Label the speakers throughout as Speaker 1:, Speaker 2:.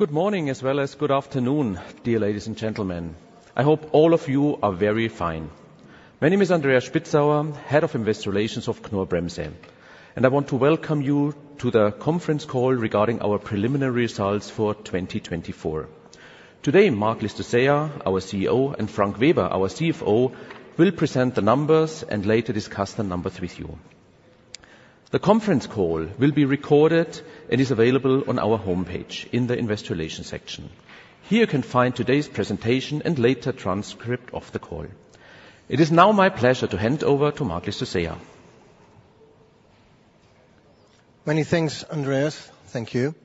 Speaker 1: Good morning as well as good afternoon, dear ladies and gentlemen. I hope all of you are very fine. My name is Andreas Spitzauer, Head of Investor Relations of Knorr-Bremse, and I want to welcome you to the Conference Call Regarding our Preliminary Results for 2024. Today, Marc Llistosella, our CEO, and Frank Weber, our CFO, will present the numbers and later discuss the numbers with you. The conference call will be recorded and is available on our home page in the Investor Relations section. Here you can find today's presentation and later transcript of the call. It is now my pleasure to hand over to Marc Llistosella.
Speaker 2: Many thanks, Andreas. Thank you.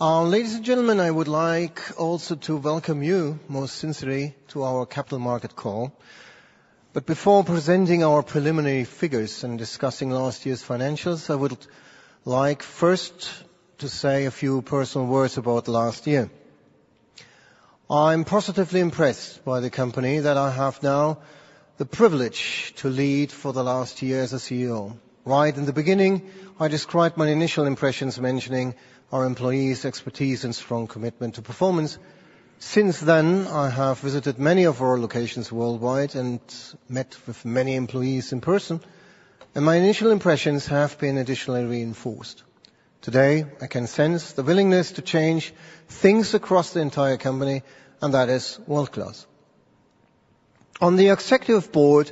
Speaker 2: Ladies and gentlemen, I would like also to welcome you most sincerely to our capital market call. But before presenting our preliminary figures and discussing last year's financials, I would like first to say a few personal words about last year. I'm positively impressed by the company that I have now the privilege to lead for the last year as a CEO. Right in the beginning, I described my initial impressions mentioning our employees' expertise and strong commitment to performance. Since then, I have visited many of our locations worldwide and met with many employees in person, and my initial impressions have been additionally reinforced. Today, I can sense the willingness to change things across the entire company, and that is world-class. On the Executive Board,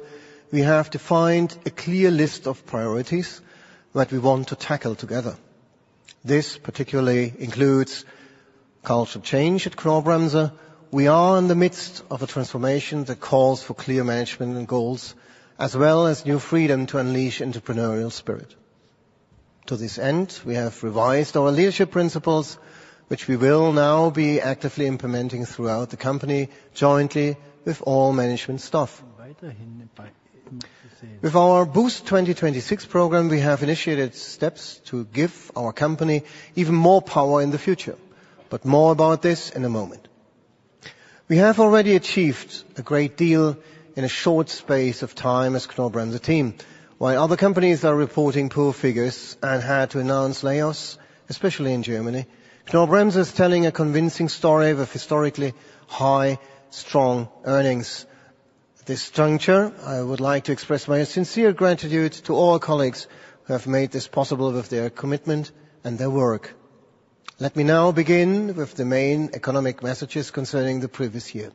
Speaker 2: we have defined a clear list of priorities that we want to tackle together. This particularly includes culture change at Knorr-Bremse. We are in the midst of a transformation that calls for clear management and goals, as well as new freedom to unleash entrepreneurial spirit. To this end, we have revised our leadership principles, which we will now be actively implementing throughout the company jointly with all management staff. With our BOOST 2026 program, we have initiated steps to give our company even more power in the future, but more about this in a moment. We have already achieved a great deal in a short space of time as Knorr-Bremse team. While other companies are reporting poor figures and had to announce layoffs, especially in Germany, Knorr-Bremse is telling a convincing story with historically high, strong earnings. At this juncture, I would like to express my sincere gratitude to all colleagues who have made this possible with their commitment and their work. Let me now begin with the main economic messages concerning the previous year.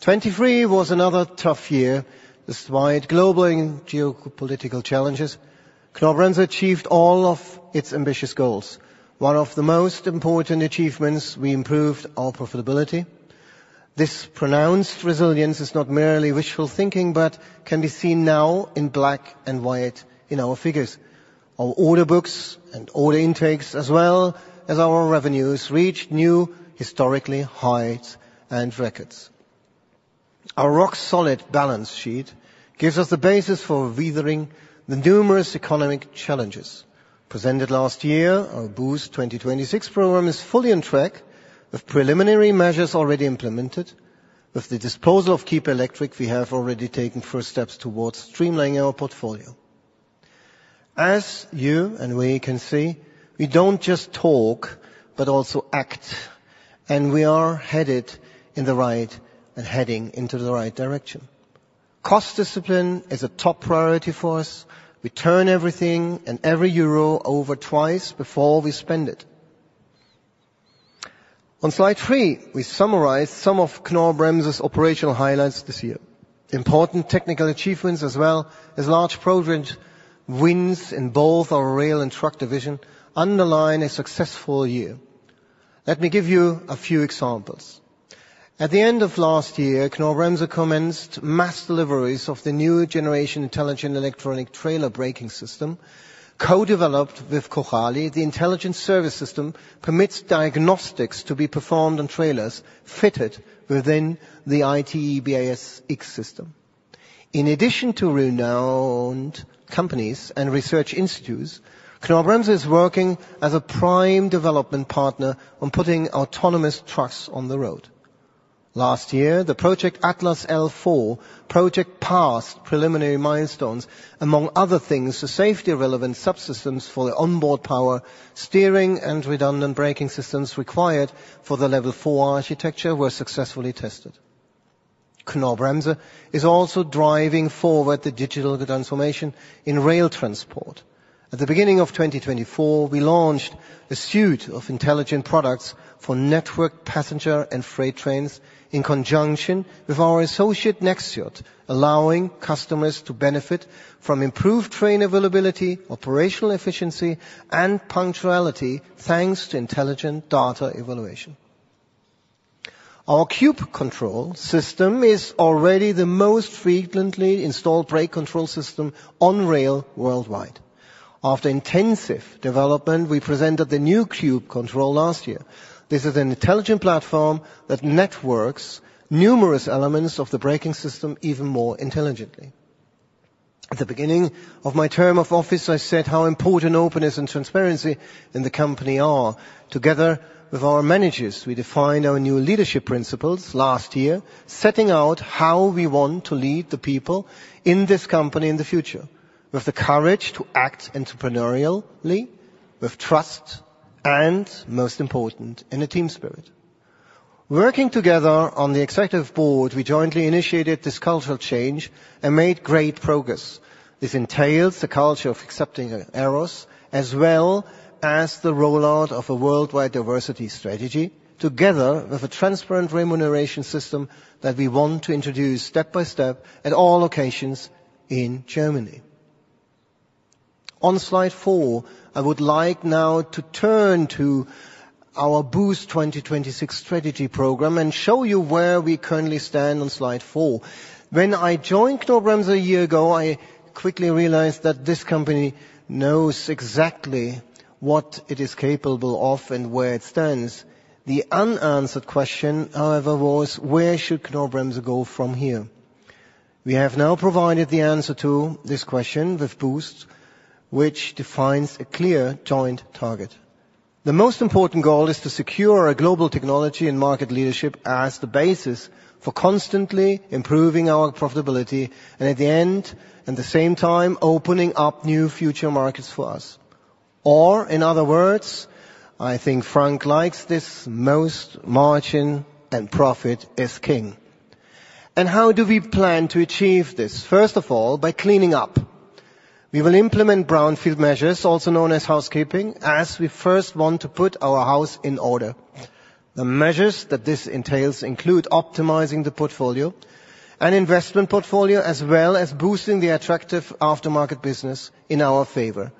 Speaker 2: 2023 was another tough year despite global and geopolitical challenges. Knorr-Bremse achieved all of its ambitious goals. One of the most important achievements: we improved our profitability. This pronounced resilience is not merely wishful thinking but can be seen now in black and white in our figures. Our order books and order intakes, as well as our revenues, reached new historically highs and records. Our rock-solid balance sheet gives us the basis for weathering the numerous economic challenges. Presented last year, our BOOST 2026 program is fully on track with preliminary measures already implemented. With the disposal of Kiepe Electric, we have already taken first steps towards streamlining our portfolio. As you and we can see, we don't just talk but also act, and we are headed in the right and heading into the right direction. Cost discipline is a top priority for us. We turn everything and every euro over twice before we spend it. On slide 3, we summarize some of Knorr-Bremse's operational highlights this year. Important technical achievements, as well as large project wins in both our Rail and Truck division, underline a successful year. Let me give you a few examples. At the end of last year, Knorr-Bremse commenced mass deliveries of the new generation intelligent electronic trailer braking system. Co-developed with Cojali, the intelligent service system permits diagnostics to be performed on trailers fitted within the iTEBS X system. In addition to renowned companies and research institutes, Knorr-Bremse is working as a prime development partner on putting autonomous trucks on the road. Last year, the ATLAS-L4 project passed preliminary milestones. Among other things, the safety-relevant subsystems for the onboard power, steering, and redundant braking systems required for the level four architecture were successfully tested. Knorr-Bremse is also driving forward the digital transformation in rail transport. At the beginning of 2024, we launched a suite of intelligent products for network passenger and freight trains in conjunction with our associate Nexxiot, allowing customers to benefit from improved train availability, operational efficiency, and punctuality thanks to intelligent data evaluation. Our CubeControl system is already the most frequently installed brake control system on rail worldwide. After intensive development, we presented the new CubeControl last year. This is an intelligent platform that networks numerous elements of the braking system even more intelligently. At the beginning of my term of office, I said how important openness and transparency in the company are. Together with our managers, we defined our new leadership principles last year, setting out how we want to lead the people in this company in the future. With the courage to act entrepreneurially, with trust, and most important, in a team spirit. Working together on the Executive Board, we jointly initiated this cultural change and made great progress. This entails the culture of accepting errors, as well as the rollout of a worldwide diversity strategy, together with a transparent remuneration system that we want to introduce step by step at all locations in Germany. On slide 4, I would like now to turn to our BOOST 2026 strategy program and show you where we currently stand on slide 4. When I joined Knorr-Bremse a year ago, I quickly realized that this company knows exactly what it is capable of and where it stands. The unanswered question, however, was, "Where should Knorr-Bremse go from here?" We have now provided the answer to this question with BOOST, which defines a clear joint target. The most important goal is to secure our global technology and market leadership as the basis for constantly improving our profitability and, at the end, at the same time, opening up new future markets for us. Or in other words, I think Frank likes this: "Most margin and profit is king." And how do we plan to achieve this? First of all, by cleaning up. We will implement brownfield measures, also known as housekeeping, as we first want to put our house in order. The measures that this entails include optimizing the portfolio and investment portfolio, as well as boosting the attractive aftermarket business in our favor.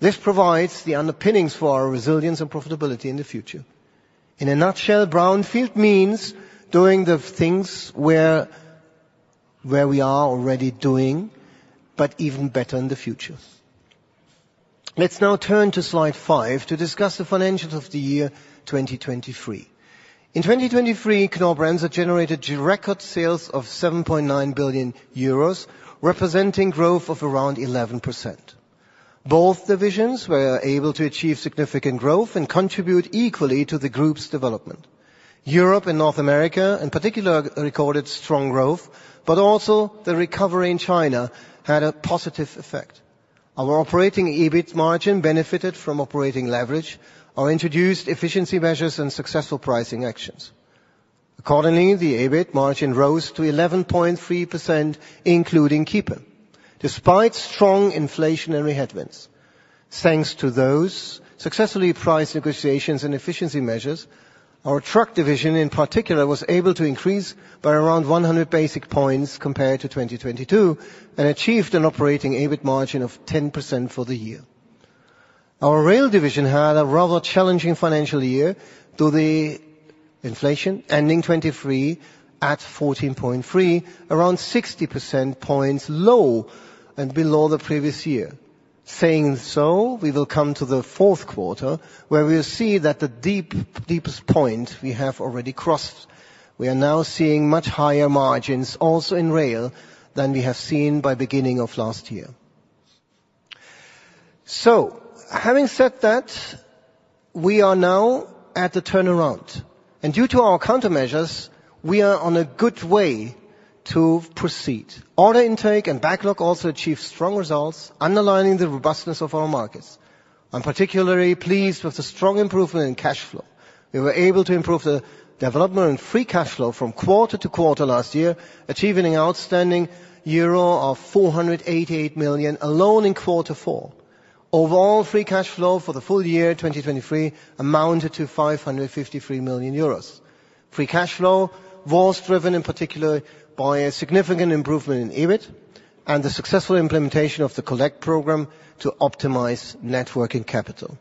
Speaker 2: This provides the underpinnings for our resilience and profitability in the future. In a nutshell, brownfield means doing the things where we are already doing, but even better in the future. Let's now turn to slide five to discuss the financials of the year 2023. In 2023, Knorr-Bremse generated record sales of 7.9 billion euros, representing growth of around 11%. Both divisions were able to achieve significant growth and contribute equally to the group's development. Europe and North America in particular recorded strong growth, but also the recovery in China had a positive effect. Our operating EBIT margin benefited from operating leverage or introduced efficiency measures and successful pricing actions. Accordingly, the EBIT margin rose to 11.3%, including Kiepe, despite strong inflationary headwinds. Thanks to those successfully priced negotiations and efficiency measures, our Truck division in particular was able to increase by around 100 basis points compared to 2022 and achieved an operating EBIT margin of 10% for the year. Our Rail division had a rather challenging financial year, though the inflation ending 2023 at 14.3%, around 60 basis points lower and below the previous year. Saying so, we will come to the fourth quarter where we will see the deepest point we have already crossed. We are now seeing much higher margins also in Rail than we have seen by the beginning of last year. So, having said that, we are now at the turnaround, and due to our countermeasures, we are on a good way to proceed. Order intake and backlog also achieved strong results, underlining the robustness of our markets. I'm particularly pleased with the strong improvement in cash flow. We were able to improve the development and free cash flow from quarter to quarter last year, achieving an outstanding 488 million euro alone in quarter four. Overall, free cash flow for the full year 2023 amounted to 553 million euros. Free cash flow was driven in particular by a significant improvement in EBIT and the successful implementation of the Collect program to optimize net working capital.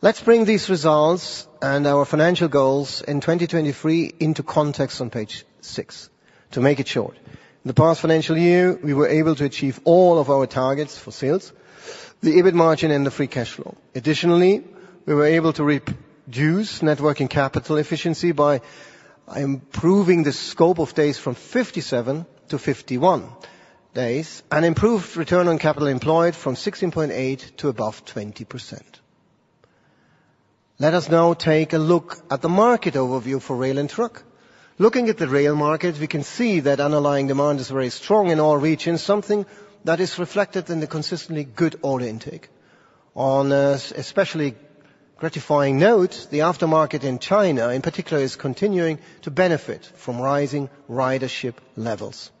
Speaker 2: Let's bring these results and our financial goals in 2023 into context on page six. To make it short, in the past financial year, we were able to achieve all of our targets for sales, the EBIT margin, and the free cash flow. Additionally, we were able to reduce net working capital efficiency by improving the scope of days from 57 to 51 days and improved return on capital employed from 16.8% to above 20%. Let us now take a look at the market overview for Rail and Truck. Looking at the Rail market, we can see that underlying demand is very strong in all regions, something that is reflected in the consistently good order intake. On an especially gratifying note, the aftermarket in China in particular is continuing to benefit from rising ridership levels.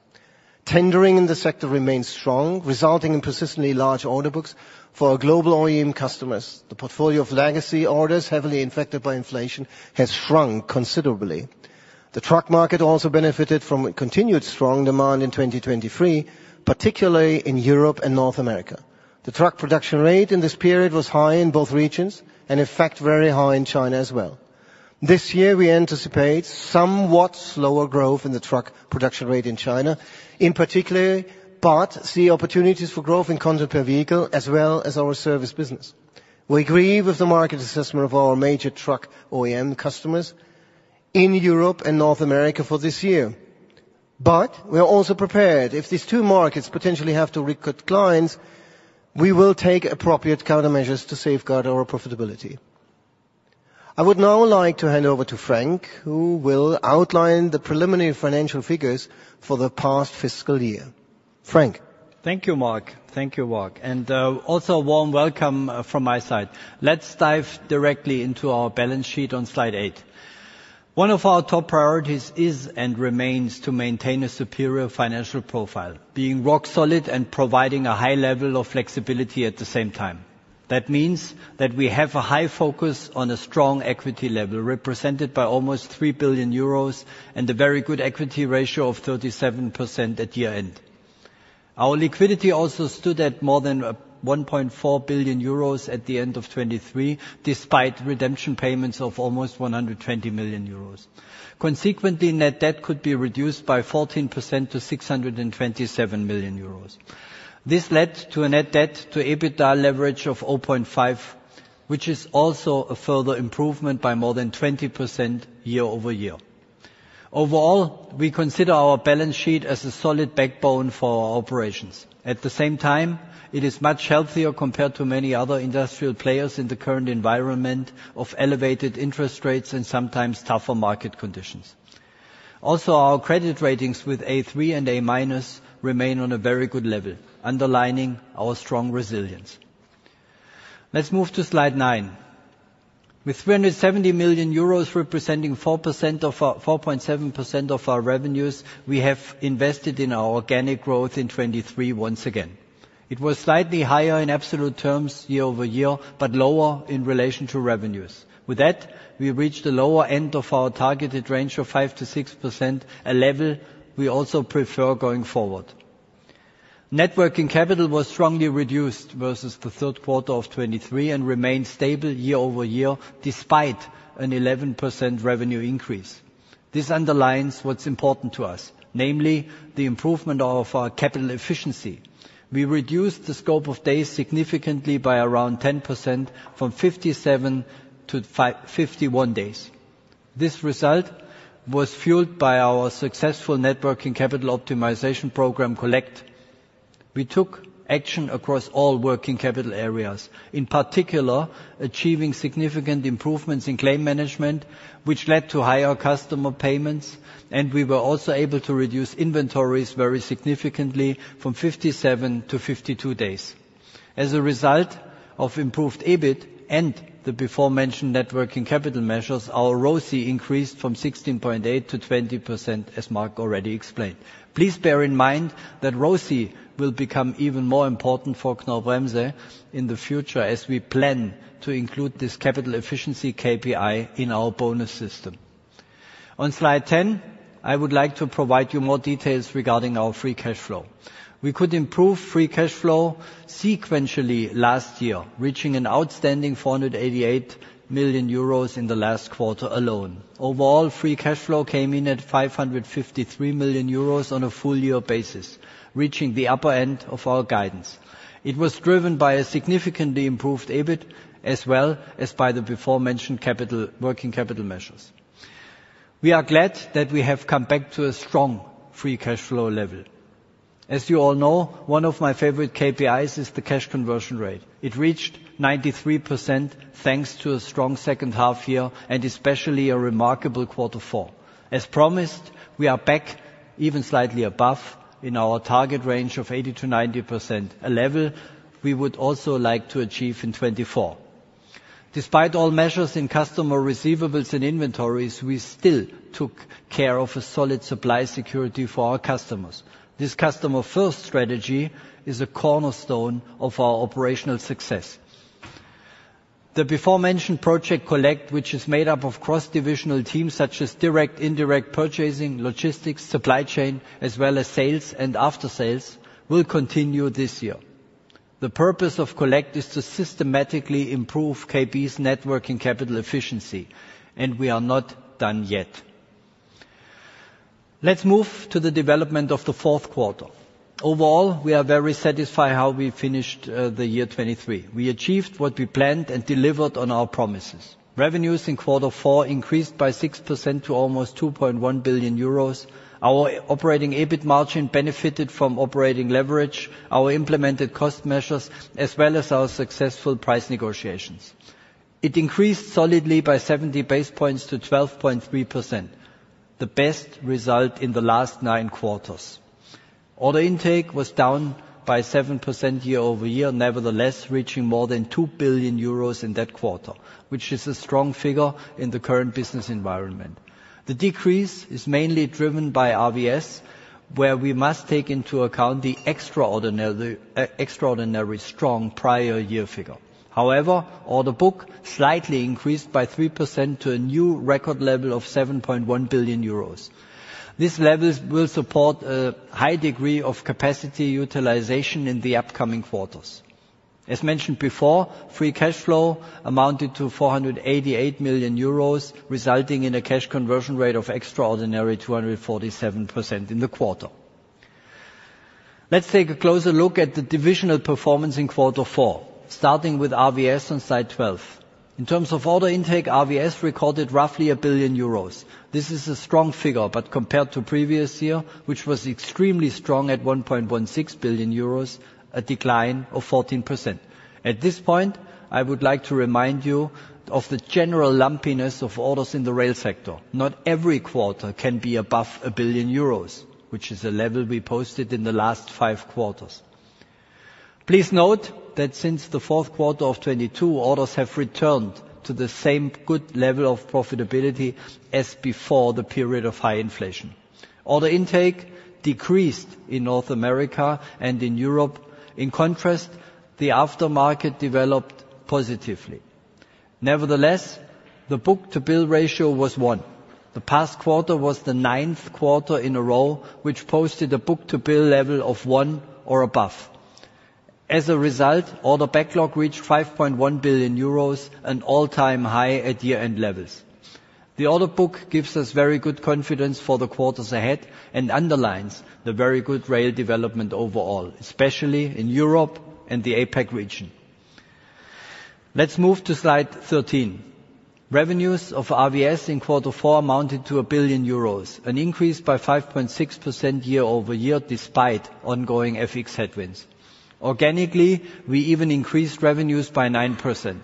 Speaker 2: Tendering in the sector remains strong, resulting in persistently large order books for global OEM customers. The portfolio of legacy orders, heavily infected by inflation, has shrunk considerably. The Truck market also benefited from continued strong demand in 2023, particularly in Europe and North America. The Truck production rate in this period was high in both regions and, in fact, very high in China as well. This year, we anticipate somewhat slower growth in the Truck production rate in China, in particular, but see opportunities for growth in content per vehicle as well as our service business. We agree with the market assessment of our major Truck OEM customers in Europe and North America for this year, but we are also prepared. If these two markets potentially have to recline, we will take appropriate countermeasures to safeguard our profitability. I would now like to hand over to Frank, who will outline the preliminary financial figures for the past fiscal year. Frank.
Speaker 3: Thank you, Mark. Thank you, Mark. And also, a warm welcome from my side. Let's dive directly into our balance sheet on slide eight. One of our top priorities is and remains to maintain a superior financial profile, being rock-solid and providing a high level of flexibility at the same time. That means that we have a high focus on a strong equity level represented by almost 3 billion euros and a very good equity ratio of 37% at year-end. Our liquidity also stood at more than 1.4 billion euros at the end of 2023, despite redemption payments of almost 120 million euros. Consequently, net debt could be reduced by 14% to 627 million euros. This led to a net debt-to-EBITDA leverage of 0.5%, which is also a further improvement by more than 20% year-over-year. Overall, we consider our balance sheet as a solid backbone for our operations. At the same time, it is much healthier compared to many other industrial players in the current environment of elevated interest rates and sometimes tougher market conditions. Also, our credit ratings with A3 and A- remain on a very good level, underlining our strong resilience. Let's move to slide 9. With 370 million euros representing 4.7% of our revenues, we have invested in our organic growth in 2023 once again. It was slightly higher in absolute terms year-over-year but lower in relation to revenues. With that, we reached the lower end of our targeted range of 5%-6%, a level we also prefer going forward. Net working capital was strongly reduced versus the third quarter of 2023 and remained stable year-over-year despite an 11% revenue increase. This underlines what's important to us, namely the improvement of our capital efficiency. We reduced the scope of days significantly by around 10% from 57 to 51 days. This result was fueled by our successful net working capital optimization program, Collect. We took action across all working capital areas, in particular achieving significant improvements in claim management, which led to higher customer payments, and we were also able to reduce inventories very significantly from 57 to 52 days. As a result of improved EBIT and the before-mentioned net working capital measures, our ROCE increased from 16.8% to 20%, as Marc already explained. Please bear in mind that ROCE will become even more important for Knorr-Bremse in the future as we plan to include this capital efficiency KPI in our bonus system. On slide 10, I would like to provide you more details regarding our free cash flow. We could improve free cash flow sequentially last year, reaching an outstanding 488 million euros in the last quarter alone. Overall, free cash flow came in at 553 million euros on a full-year basis, reaching the upper end of our guidance. It was driven by a significantly improved EBIT as well as by the before-mentioned working capital measures. We are glad that we have come back to a strong free cash flow level. As you all know, one of my favorite KPIs is the cash conversion rate. It reached 93% thanks to a strong second half year and especially a remarkable quarter four. As promised, we are back even slightly above in our target range of 80%-90%, a level we would also like to achieve in 2024. Despite all measures in customer receivables and inventories, we still took care of a solid supply security for our customers. This customer-first strategy is a cornerstone of our operational success. The before-mentioned project, Collect, which is made up of cross-divisional teams such as direct, indirect purchasing, logistics, supply chain, as well as sales and after-sales, will continue this year. The purpose of Collect is to systematically improve KB's net working capital efficiency, and we are not done yet. Let's move to the development of the fourth quarter. Overall, we are very satisfied how we finished the year 2023. We achieved what we planned and delivered on our promises. Revenues in quarter four increased by 6% to almost 2.1 billion euros. Our operating EBIT margin benefited from operating leverage, our implemented cost measures, as well as our successful price negotiations. It increased solidly by 70 basis points to 12.3%, the best result in the last nine quarters. Order intake was down by 7% year-over-year, nevertheless reaching more than 2 billion euros in that quarter, which is a strong figure in the current business environment. The decrease is mainly driven by RVS, where we must take into account the extraordinarily strong prior year figure. However, order book slightly increased by 3% to a new record level of 7.1 billion euros. This level will support a high degree of capacity utilization in the upcoming quarters. As mentioned before, free cash flow amounted to 488 million euros, resulting in a cash conversion rate of extraordinary 247% in the quarter. Let's take a closer look at the divisional performance in quarter four, starting with RVS on slide 12. In terms of order intake, RVS recorded roughly 1 billion euros. This is a strong figure, but compared to previous year, which was extremely strong at 1.16 billion euros, a decline of 14%. At this point, I would like to remind you of the general lumpiness of orders in the Rail sector. Not every quarter can be above 1 billion euros, which is a level we posted in the last five quarters. Please note that since the fourth quarter of 2022, orders have returned to the same good level of profitability as before the period of high inflation. Order intake decreased in North America and in Europe. In contrast, the aftermarket developed positively. Nevertheless, the book-to-bill ratio was one. The past quarter was the ninth quarter in a row, which posted a book-to-bill level of one or above. As a result, order backlog reached 5.1 billion euros, an all-time high at year-end levels. The order book gives us very good confidence for the quarters ahead and underlines the very good rail development overall, especially in Europe and the APAC region. Let's move to slide 13. Revenues of RVS in quarter four amounted to 1 billion euros, an increase by 5.6% year-over-year despite ongoing FX headwinds. Organically, we even increased revenues by 9%.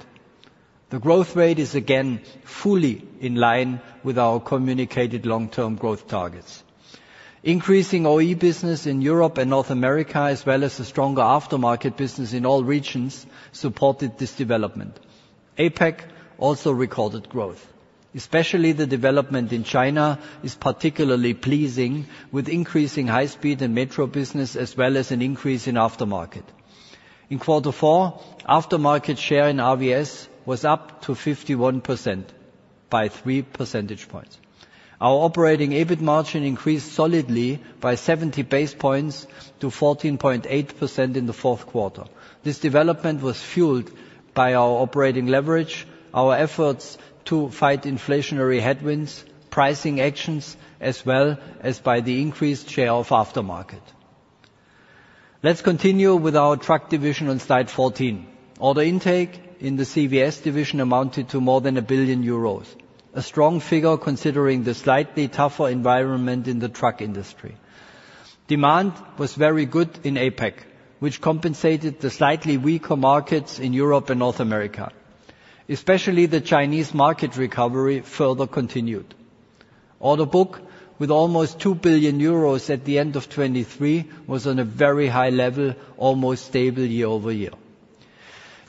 Speaker 3: The growth rate is again fully in line with our communicated long-term growth targets. Increasing OE business in Europe and North America, as well as a stronger aftermarket business in all regions, supported this development. APAC also recorded growth. Especially the development in China is particularly pleasing, with increasing high-speed and metro business as well as an increase in aftermarket. In quarter four, aftermarket share in RVS was up to 51% by three percentage points. Our operating EBIT margin increased solidly by 70 basis points to 14.8% in the fourth quarter. This development was fueled by our operating leverage, our efforts to fight inflationary headwinds, pricing actions, as well as by the increased share of aftermarket. Let's continue with our Truck division on slide 14. Order intake in the CVS division amounted to more than 1 billion euros, a strong figure considering the slightly tougher environment in the Truck industry. Demand was very good in APAC, which compensated the slightly weaker markets in Europe and North America. Especially the Chinese market recovery further continued. Order book with almost 2 billion euros at the end of 2023 was on a very high level, almost stable year-over-year.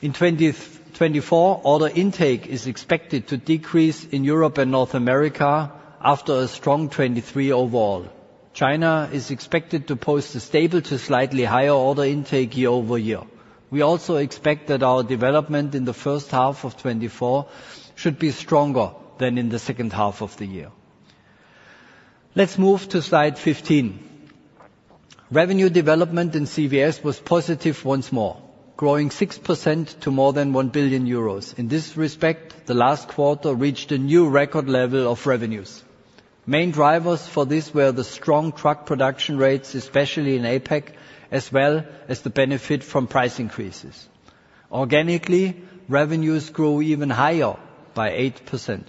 Speaker 3: In 2024, order intake is expected to decrease in Europe and North America after a strong 2023 overall. China is expected to post a stable to slightly higher order intake year-over-year. We also expect that our development in the first half of 2024 should be stronger than in the second half of the year. Let's move to slide 15. Revenue development in CVS was positive once more, growing 6% to more than 1 billion euros. In this respect, the last quarter reached a new record level of revenues. Main drivers for this were the strong truck production rates, especially in APAC, as well as the benefit from price increases. Organically, revenues grew even higher by 8%.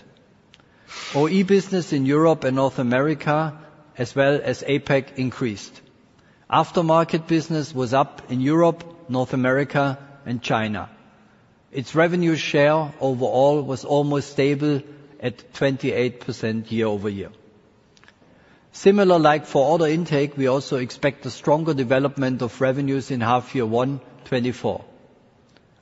Speaker 3: OE business in Europe and North America, as well as APAC, increased. Aftermarket business was up in Europe, North America, and China. Its revenue share overall was almost stable at 28% year-over-year. Similarly, for order intake, we also expect a stronger development of revenues in half-year one, 2024.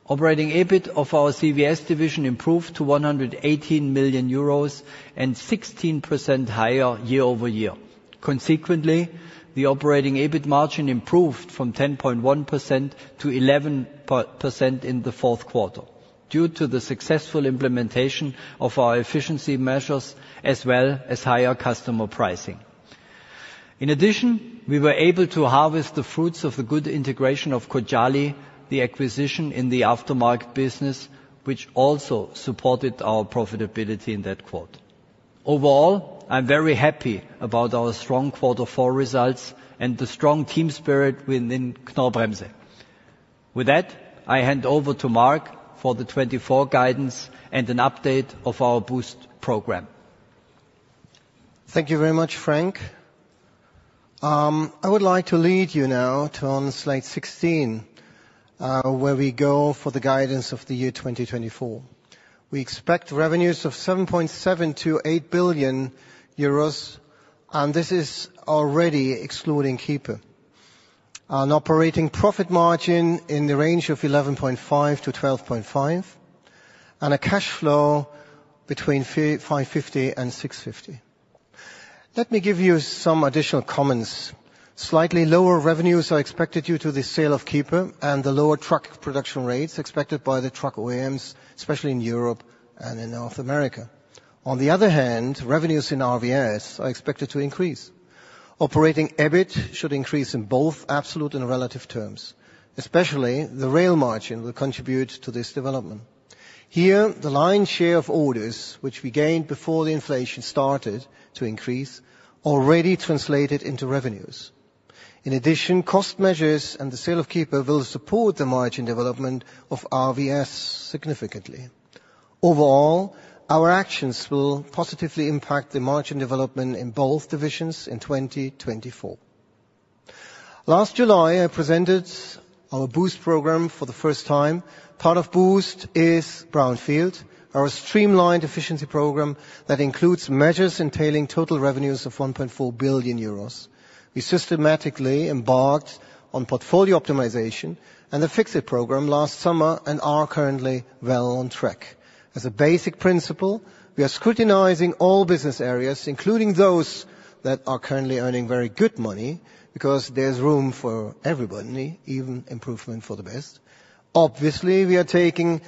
Speaker 3: Operating EBIT of our CVS division improved to 118 million euros and 16% higher year-over-year. Consequently, the operating EBIT margin improved from 10.1% to 11% in the fourth quarter due to the successful implementation of our efficiency measures as well as higher customer pricing. In addition, we were able to harvest the fruits of the good integration of Cojali, the acquisition in the aftermarket business, which also supported our profitability in that quarter. Overall, I'm very happy about our strong quarter four results and the strong team spirit within Knorr-Bremse. With that, I hand over to Marc for the 2024 guidance and an update of our BOOST program.
Speaker 2: Thank you very much, Frank. I would like to lead you now to on slide 16, where we go for the guidance of the year 2024. We expect revenues of 7.7 billion-8 billion euros, and this is already excluding Kiepe. An operating profit margin in the range of 11.5%-12.5% and a cash flow between 550 million and 650 million. Let me give you some additional comments. Slightly lower revenues are expected due to the sale of Kiepe and the lower Truck production rates expected by the Truck OEMs, especially in Europe and in North America. On the other hand, revenues in RVS are expected to increase. Operating EBIT should increase in both absolute and relative terms, especially the Rail margin will contribute to this development. Here, the lion's share of orders, which we gained before the inflation started to increase, already translated into revenues. In addition, cost measures and the sale of Kiepe will support the margin development of RVS significantly. Overall, our actions will positively impact the margin development in both divisions in 2024. Last July, I presented our BOOST program for the first time. Part of BOOST is Brownfield, our streamlined efficiency program that includes measures entailing total revenues of 1.4 billion euros. We systematically embarked on portfolio optimization and the Fix-It program last summer and are currently well on track. As a basic principle, we are scrutinizing all business areas, including those that are currently earning very good money because there's room for everybody, even improvement for the best. Obviously, we are taking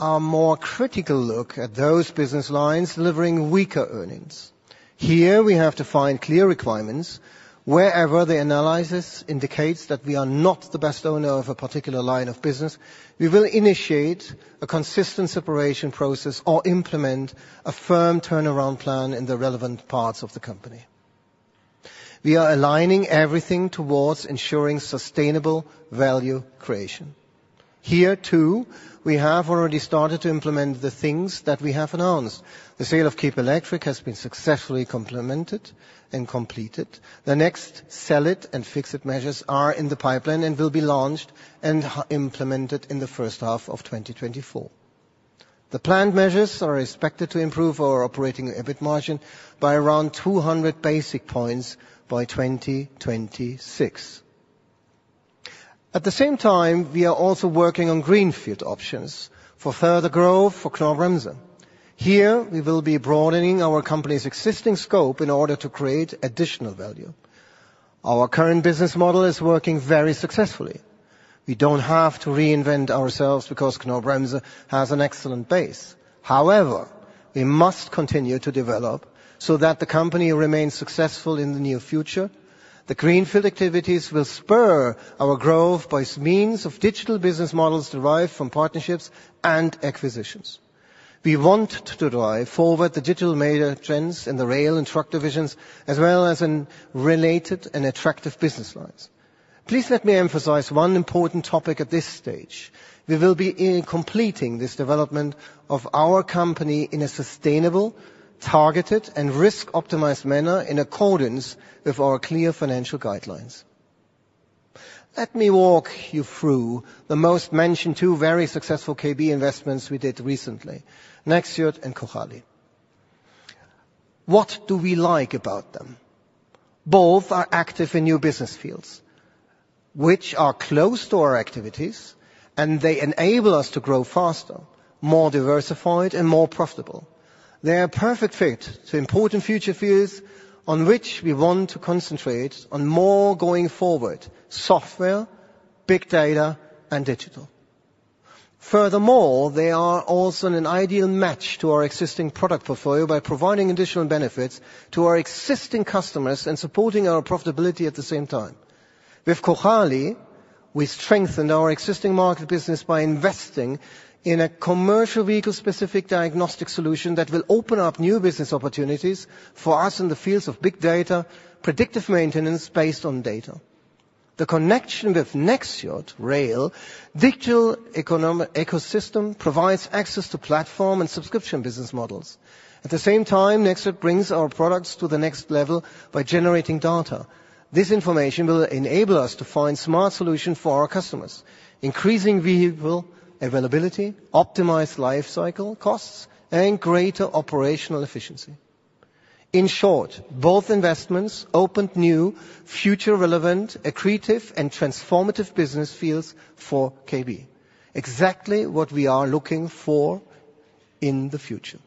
Speaker 2: a more critical look at those business lines delivering weaker earnings. Here, we have to find clear requirements. Wherever the analysis indicates that we are not the best owner of a particular line of business, we will initiate a consistent separation process or implement a firm turnaround plan in the relevant parts of the company. We are aligning everything towards ensuring sustainable value creation. Here, too, we have already started to implement the things that we have announced. The sale of Kiepe Electric has been successfully complemented and completed. The next Sell-It and-Fix-It measures are in the pipeline and will be launched and implemented in the first half of 2024. The planned measures are expected to improve our operating EBIT margin by around 200 basis points by 2026. At the same time, we are also working on greenfield options for further growth for Knorr-Bremse. Here, we will be broadening our company's existing scope in order to create additional value. Our current business model is working very successfully. We don't have to reinvent ourselves because Knorr-Bremse has an excellent base. However, we must continue to develop so that the company remains successful in the near future. The greenfield activities will spur our growth by means of digital business models derived from partnerships and acquisitions. We want to drive forward the digital-made trends in the rail and Truck divisions, as well as in related and attractive business lines. Please let me emphasize one important topic at this stage. We will be completing this development of our company in a sustainable, targeted, and risk-optimized manner in accordance with our clear financial guidelines. Let me walk you through the most mentioned two very successful KB investments we did recently: Nexxiot and Cojali. What do we like about them? Both are active in new business fields, which are closed-door activities, and they enable us to grow faster, more diversified, and more profitable. They are a perfect fit to important future fields on which we want to concentrate on more going forward: software, big data, and digital. Furthermore, they are also an ideal match to our existing product portfolio by providing additional benefits to our existing customers and supporting our profitability at the same time. With Cojali, we strengthened our existing market business by investing in a commercial vehicle-specific diagnostic solution that will open up new business opportunities for us in the fields of big data, predictive maintenance based on data. The connection with Nexxiot Rail Digital Ecosystem provides access to platform and subscription business models. At the same time, Nexxiot brings our products to the next level by generating data. This information will enable us to find smart solutions for our customers, increasing vehicle availability, optimized lifecycle costs, and greater operational efficiency. In short, both investments opened new, future-relevant, accretive, and transformative business fields for Kiepe, exactly what we are looking for in the future.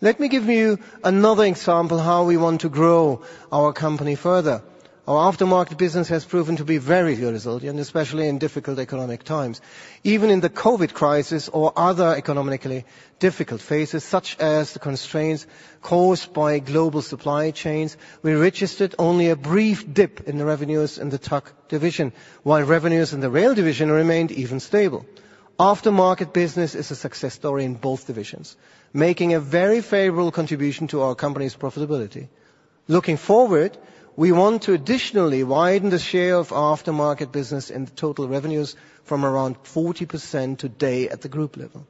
Speaker 2: Let me give you another example of how we want to grow our company further. Our aftermarket business has proven to be very resilient, especially in difficult economic times. Even in the COVID crisis or other economically difficult phases, such as the constraints caused by global supply chains, we registered only a brief dip in the revenues in the Truck division, while revenues in the Rail division remained even stable. Aftermarket business is a success story in both divisions, making a very favorable contribution to our company's profitability. Looking forward, we want to additionally widen the share of Aftermarket business in total revenues from around 40% today at the group level.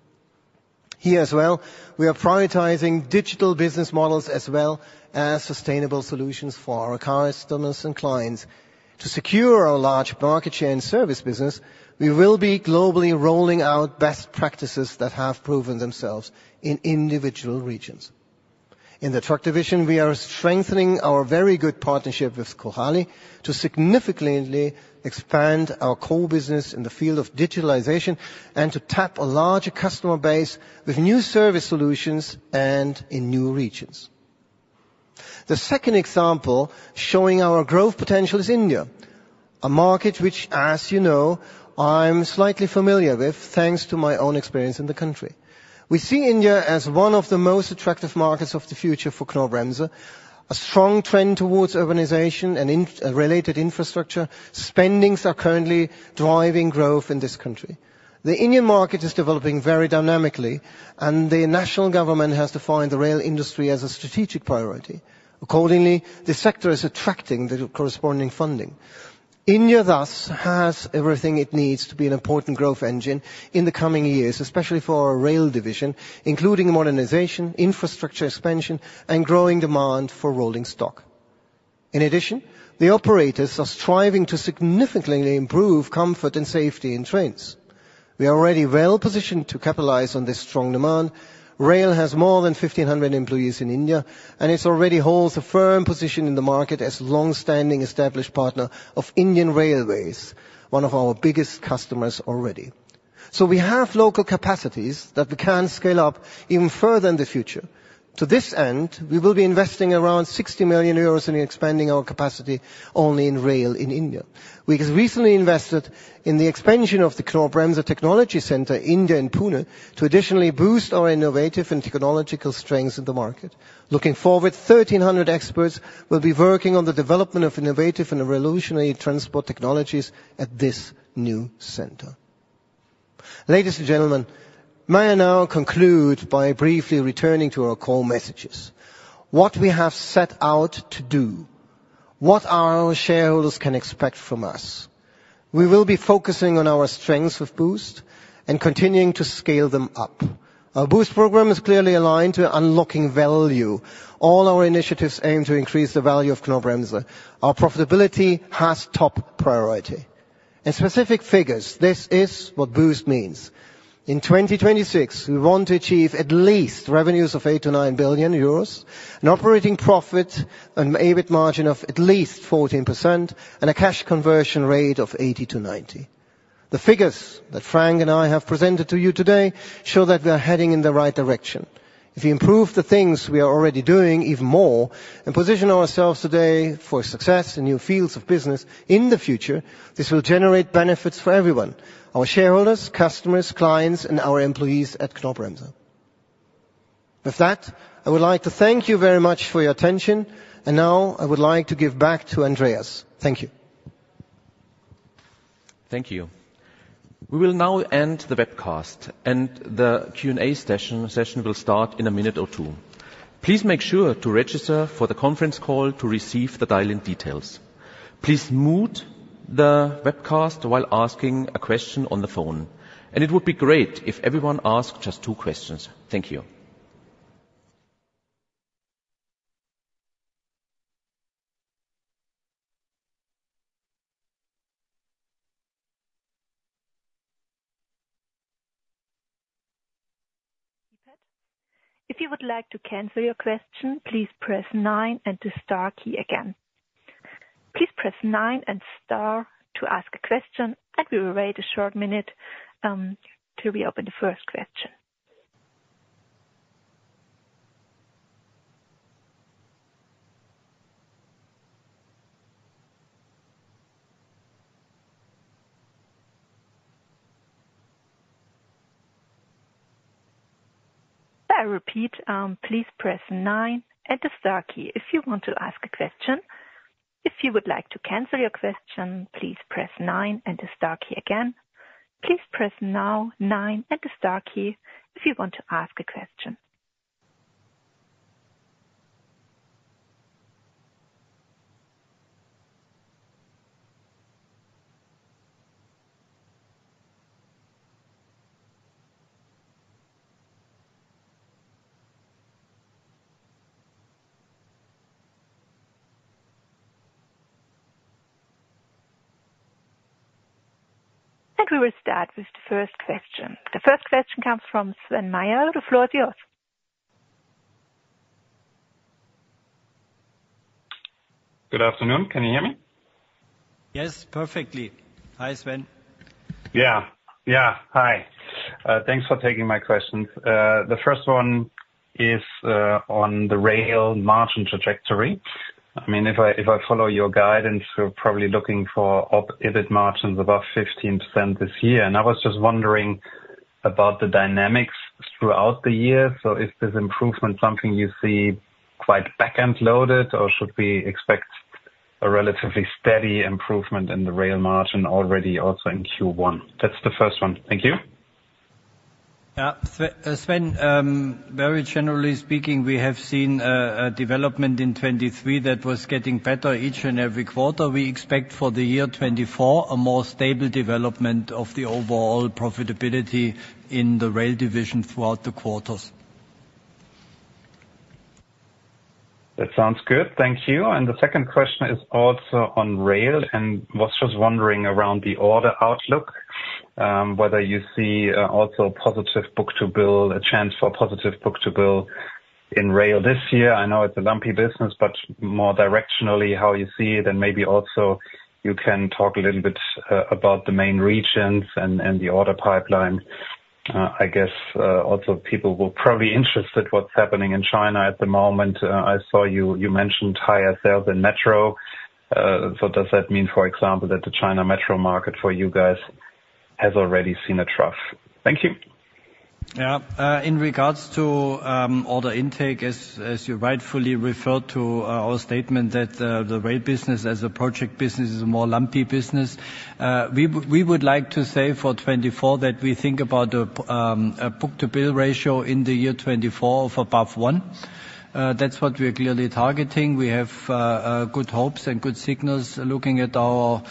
Speaker 2: Here as well, we are prioritizing digital business models as well as sustainable solutions for our customers and clients. To secure our large market share in service business, we will be globally rolling out best practices that have proven themselves in individual regions. In the Truck division, we are strengthening our very good partnership with Cojali to significantly expand our core business in the field of digitalization and to tap a larger customer base with new service solutions and in new regions. The second example showing our growth potential is India, a market which, as you know, I'm slightly familiar with thanks to my own experience in the country. We see India as one of the most attractive markets of the future for Knorr-Bremse, a strong trend towards urbanization and related infrastructure. Spending is currently driving growth in this country. The Indian market is developing very dynamically, and the national government has defined the rail industry as a strategic priority. Accordingly, the sector is attracting the corresponding funding. India, thus, has everything it needs to be an important growth engine in the coming years, especially for our Rail division, including modernization, infrastructure expansion, and growing demand for rolling stock. In addition, the operators are striving to significantly improve comfort and safety in trains. We are already well positioned to capitalize on this strong demand. Rail has more than 1,500 employees in India, and it already holds a firm position in the market as a longstanding established partner of Indian Railways, one of our biggest customers already. So, we have local capacities that we can scale up even further in the future. To this end, we will be investing around 60 million euros in expanding our capacity only in Rail in India. We have recently invested in the expansion of the Knorr-Bremse Technology Center India in Pune, to additionally boost our innovative and technological strengths in the market. Looking forward, 1,300 experts will be working on the development of innovative and revolutionary transport technologies at this new center. Ladies and gentlemen, may I now conclude by briefly returning to our core messages? What we have set out to do? What our shareholders can expect from us? We will be focusing on our strengths with BOOST and continuing to scale them up. Our BOOST program is clearly aligned to unlocking value. All our initiatives aim to increase the value of Knorr-Bremse. Our profitability has top priority. In specific figures, this is what BOOST means. In 2026, we want to achieve at least revenues of 8 billion-9 billion euros, an operating profit, an EBIT margin of at least 14%, and a cash conversion rate of 80%-90%. The figures that Frank and I have presented to you today show that we are heading in the right direction. If we improve the things we are already doing even more and position ourselves today for success in new fields of business in the future, this will generate benefits for everyone: our shareholders, customers, clients, and our employees at Knorr-Bremse. With that, I would like to thank you very much for your attention, and now I would like to give back to Andreas. Thank you.
Speaker 1: Thank you. We will now end the webcast, and the Q&A session will start in a minute or two. Please make sure to register for the conference call to receive the dial-in details. Please mute the webcast while asking a question on the phone, and it would be great if everyone asked just two questions. Thank you.
Speaker 4: If you would like to cancel your question, please press nine and the star key again. Please press nine and star to ask a question, and we will wait a short minute, till we open the first question. I repeat, please press nine and the star key if you want to ask a question. If you would like to cancel your question, please press nine and the star key again. Please press now nine and the star key if you want to ask a question. We will start with the first question. The first question comes from Sven Weier. The floor is yours.
Speaker 5: Good afternoon. Can you hear me?
Speaker 3: Yes, perfectly. Hi, Sven.
Speaker 5: Yeah. Yeah, hi. Thanks for taking my questions. The first one is on the Rail margin trajectory. I mean, if I follow your guidance, we're probably looking for op EBIT margins above 15% this year. And I was just wondering about the dynamics throughout the year. So, is this improvement something you see quite back-end loaded, or should we expect a relatively steady improvement in the Rail margin already also in Q1? That's the first one. Thank you.
Speaker 3: Yeah. Sven, very generally speaking, we have seen a development in 2023 that was getting better each and every quarter. We expect for the year 2024 a more stable development of the overall profitability in the Rail division throughout the quarters.
Speaker 5: That sounds good. Thank you. And the second question is also on Rail and was just wondering about the order outlook, whether you see also a positive book-to-bill, a chance for a positive book-to-bill in rail this year. I know it's a lumpy business, but more directionally how you see it, and maybe also you can talk a little bit about the main regions and the order pipeline. I guess also people will probably be interested in what's happening in China at the moment. I saw you mentioned higher sales in metro. So, does that mean, for example, that the China metro market for you guys has already seen a trough? Thank you.
Speaker 3: Yeah. In regards to order intake, as you rightfully referred to, our statement that the Rail business as a project business is a more lumpy business, we would like to say for 2024 that we think about a book-to-bill ratio in the year 2024 of above 1. That's what we are clearly targeting. We have good hopes and good signals looking at our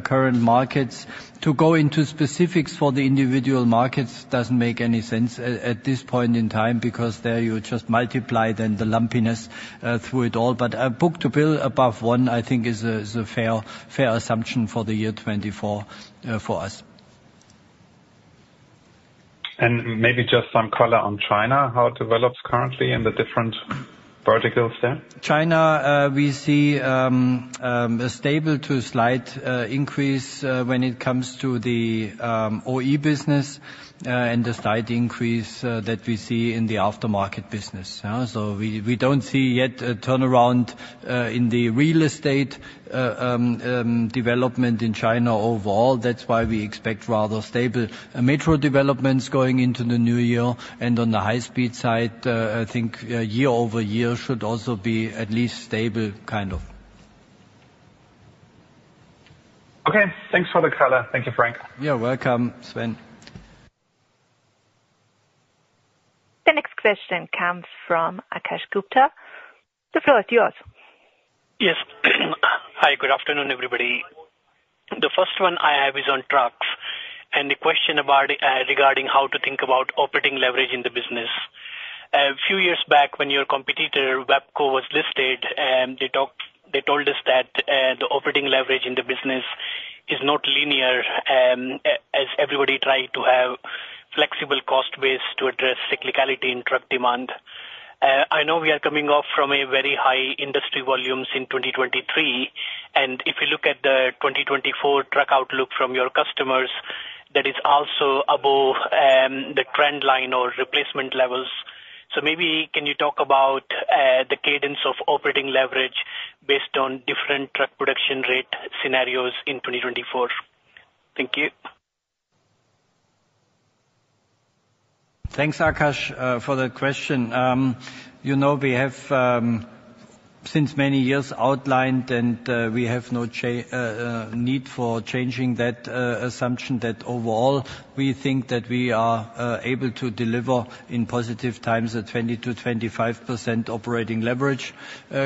Speaker 3: current markets. To go into specifics for the individual markets doesn't make any sense at this point in time because there you just multiply then the lumpiness through it all. But a book-to-bill above 1, I think, is a fair assumption for the year 2024, for us.
Speaker 5: Maybe just some color on China, how it develops currently in the different verticals there?
Speaker 3: China, we see a stable to slight increase when it comes to the OE business, and a slight increase that we see in the aftermarket business, yeah? So, we don't see yet a turnaround in the real estate development in China overall. That's why we expect rather stable metro developments going into the new year. And on the high-speed side, I think year-over-year should also be at least stable, kind of.
Speaker 5: Okay. Thanks for the color. Thank you, Frank.
Speaker 3: You're welcome, Sven.
Speaker 4: The next question comes from Akash Gupta. The floor is yours.
Speaker 6: Yes. Hi. Good afternoon, everybody. The first one I have is on Trucks and the question about, regarding how to think about operating leverage in the business. A few years back, when your competitor, WABCO, was listed, they talked they told us that, the operating leverage in the business is not linear, as everybody tried to have flexible cost base to address cyclicality in truck demand. I know we are coming off from a very high industry volumes in 2023, and if you look at the 2024 Truck outlook from your customers, that is also above, the trend line or replacement levels. So, maybe can you talk about, the cadence of operating leverage based on different Truck production rate scenarios in 2024? Thank you.
Speaker 3: Thanks, Akash, for the question. You know, we have, since many years outlined, and, we have no need for changing that, assumption that overall we think that we are, able to deliver in positive times a 20%-25% operating leverage,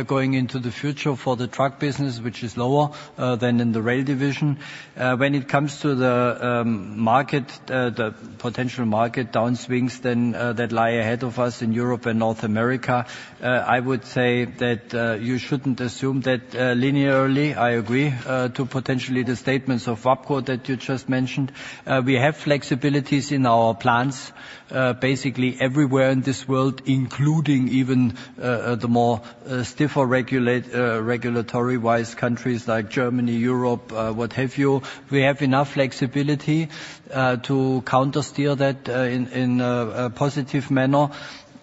Speaker 3: going into the future for the Truck business, which is lower, than in the Rail division. When it comes to the, market, the potential market downswings, then, that lie ahead of us in Europe and North America, I would say that, you shouldn't assume that, linearly. I agree, to potentially the statements of WABCO that you just mentioned. We have flexibilities in our plans, basically everywhere in this world, including even, the more, stiffer regulated regulatory-wise countries like Germany, Europe, what have you. We have enough flexibility, to countersteer that, in, in a, a positive manner.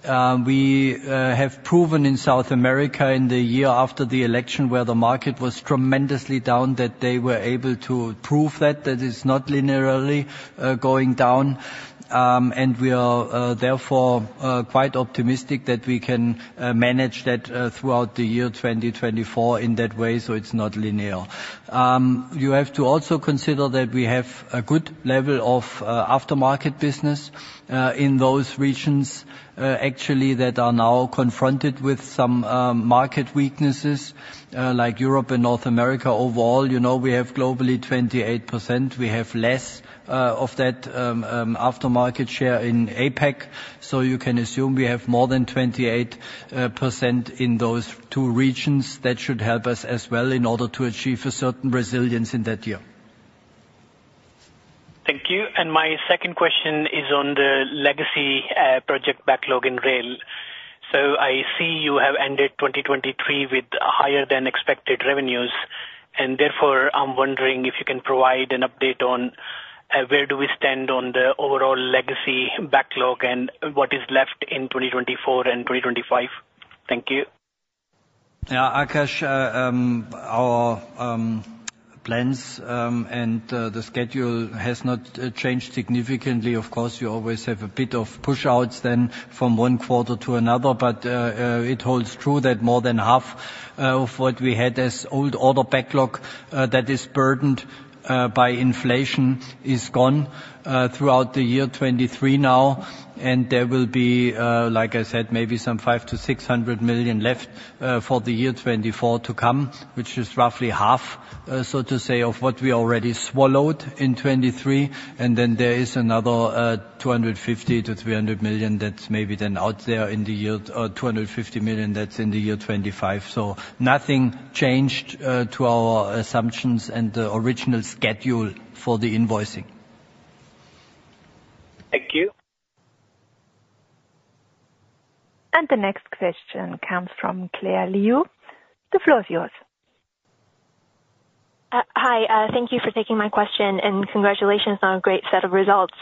Speaker 3: We have proven in South America in the year after the election where the market was tremendously down that they were able to prove that that it's not linearly going down. And we are therefore quite optimistic that we can manage that throughout the year 2024 in that way, so it's not linear. You have to also consider that we have a good level of Aftermarket business in those regions, actually, that are now confronted with some market weaknesses, like Europe and North America overall. You know, we have globally 28%. We have less of that aftermarket share in APAC. So, you can assume we have more than 28% in those two regions. That should help us as well in order to achieve a certain resilience in that year.
Speaker 6: Thank you. My second question is on the legacy project backlog in rail. I see you have ended 2023 with higher-than-expected revenues, and therefore, I'm wondering if you can provide an update on where we stand on the overall legacy backlog and what is left in 2024 and 2025. Thank you.
Speaker 3: Yeah, Akash, our plans and the schedule has not changed significantly. Of course, you always have a bit of push-outs then from one quarter to another, but it holds true that more than half of what we had as old order backlog that is burdened by inflation is gone throughout the year 2023 now. And there will be, like I said, maybe some 500 million-600 million left for the year 2024 to come, which is roughly half, so to say, of what we already swallowed in 2023. And then there is another 250 million to 300 million that's maybe then out there in the year 2025, 250 million that's in the year 2025. So, nothing changed to our assumptions and the original schedule for the invoicing.
Speaker 6: Thank you.
Speaker 4: The next question comes from Claire Liu. The floor is yours.
Speaker 7: Hi. Thank you for taking my question, and congratulations on a great set of results.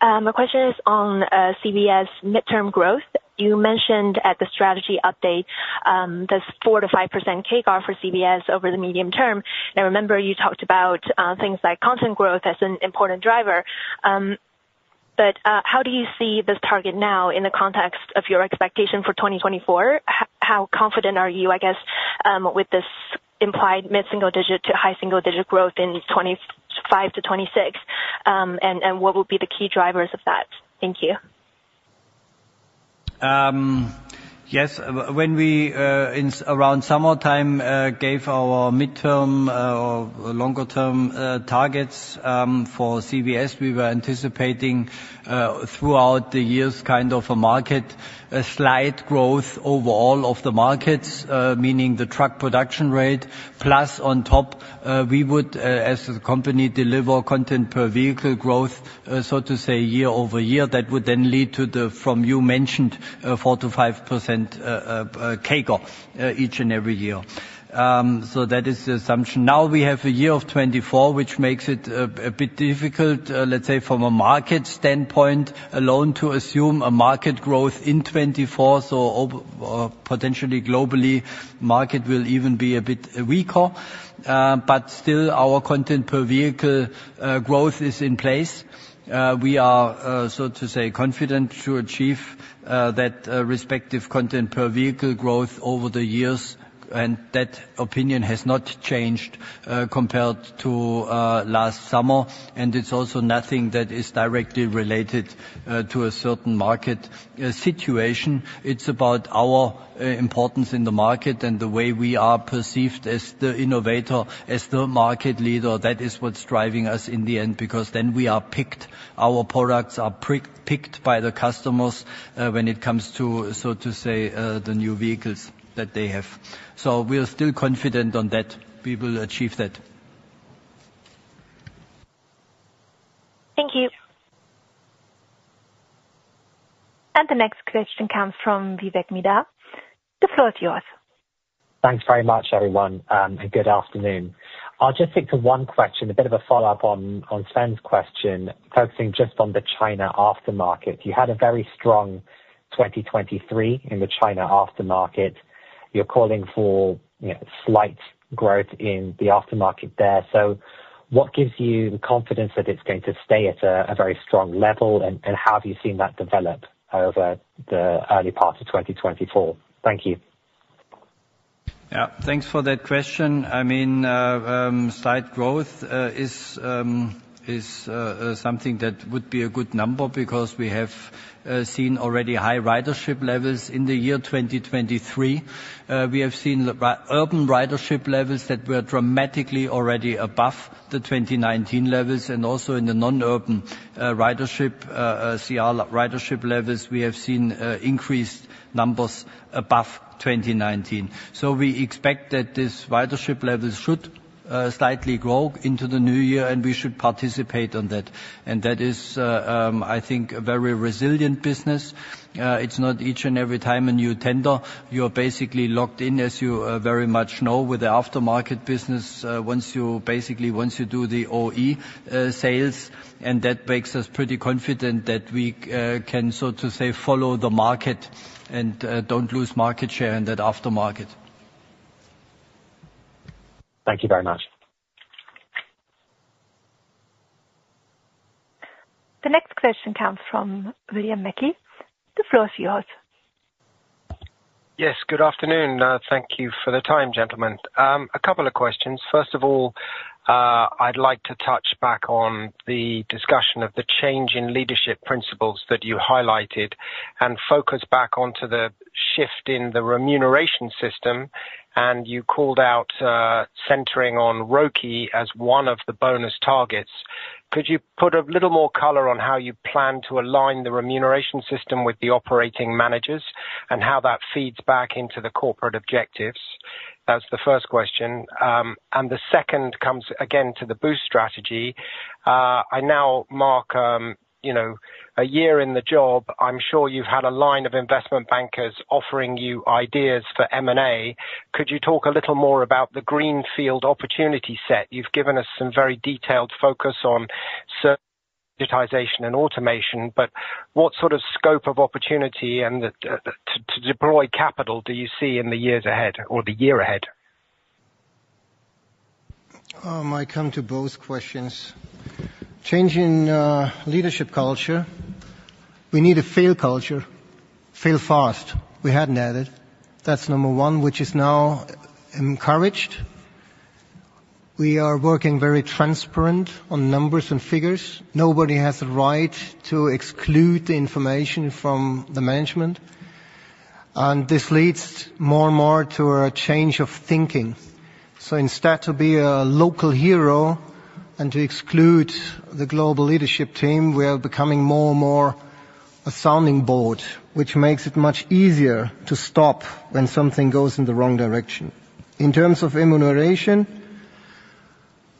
Speaker 7: My question is on CVS mid-term growth. You mentioned at the strategy update this 4%-5% take-off for CVS over the medium term. Now, remember you talked about things like content growth as an important driver. But how do you see this target now in the context of your expectation for 2024? How confident are you, I guess, with this implied mid-single-digit to high-single-digit growth in 2025 to 2026, and what will be the key drivers of that? Thank you.
Speaker 3: Yes. When we, in around summertime, gave our midterm, or longer-term, targets, for CVS, we were anticipating, throughout the years, kind of a market, a slight growth overall of the markets, meaning the Truck production rate. Plus on top, we would, as a company, deliver content per vehicle growth, so to say, year-over-year. That would then lead to the growth you mentioned, 4%-5% take-off, each and every year. So, that is the assumption. Now we have a year of 2024, which makes it a bit difficult, let's say, from a market standpoint alone to assume a market growth in 2024. Or potentially globally, market will even be a bit weaker. But still, our content per vehicle growth is in place. We are, so to say, confident to achieve that respective content per vehicle growth over the years, and that opinion has not changed compared to last summer. It's also nothing that is directly related to a certain market situation. It's about our importance in the market and the way we are perceived as the innovator, as the market leader. That is what's driving us in the end because then we are picked. Our products are picked by the customers when it comes to, so to say, the new vehicles that they have. We are still confident on that. We will achieve that.
Speaker 7: Thank you.
Speaker 4: The next question comes from Vivek Midha. The floor is yours.
Speaker 8: Thanks very much, everyone, and good afternoon. I'll just stick to one question, a bit of a follow-up on Sven's question, focusing just on the China aftermarket. You had a very strong 2023 in the China aftermarket. You're calling for, you know, slight growth in the aftermarket there. So, what gives you the confidence that it's going to stay at a very strong level, and how have you seen that develop over the early part of 2024? Thank you.
Speaker 3: Yeah. Thanks for that question. I mean, slight growth is something that would be a good number because we have seen already high ridership levels in the year 2023. We have seen urban ridership levels that were dramatically already above the 2019 levels. And also in the non-urban ridership, CR ridership levels, we have seen increased numbers above 2019. So, we expect that this ridership level should slightly grow into the new year, and we should participate on that. And that is, I think, a very resilient business. It's not each and every time a new tender. You are basically locked in, as you very much know, with the aftermarket business, once you do the OE sales. And that makes us pretty confident that we can, so to say, follow the market and don't lose market share in that aftermarket.
Speaker 8: Thank you very much.
Speaker 4: The next question comes from William Mackie. The floor is yours.
Speaker 9: Yes. Good afternoon. Thank you for the time, gentlemen. A couple of questions. First of all, I'd like to touch back on the discussion of the change in leadership principles that you highlighted and focus back onto the shift in the remuneration system. And you called out, centering on ROCE as one of the bonus targets. Could you put a little more color on how you plan to align the remuneration system with the operating managers and how that feeds back into the corporate objectives? That's the first question. And the second comes again to the BOOST strategy. Now, Marc, you know, a year in the job. I'm sure you've had a line of investment bankers offering you ideas for M&A. Could you talk a little more about the greenfield opportunity set? You've given us some very detailed focus on certain digitization and automation, but what sort of scope of opportunity and the to deploy capital do you see in the years ahead or the year ahead?
Speaker 2: I come to both questions. Change in leadership culture. We need a fail culture, fail fast. We hadn't had it. That's number one, which is now encouraged. We are working very transparently on numbers and figures. Nobody has the right to exclude the information from the management. And this leads more and more to a change of thinking. So, instead of being a local hero and excluding the global leadership team, we are becoming more and more a sounding board, which makes it much easier to stop when something goes in the wrong direction. In terms of remuneration,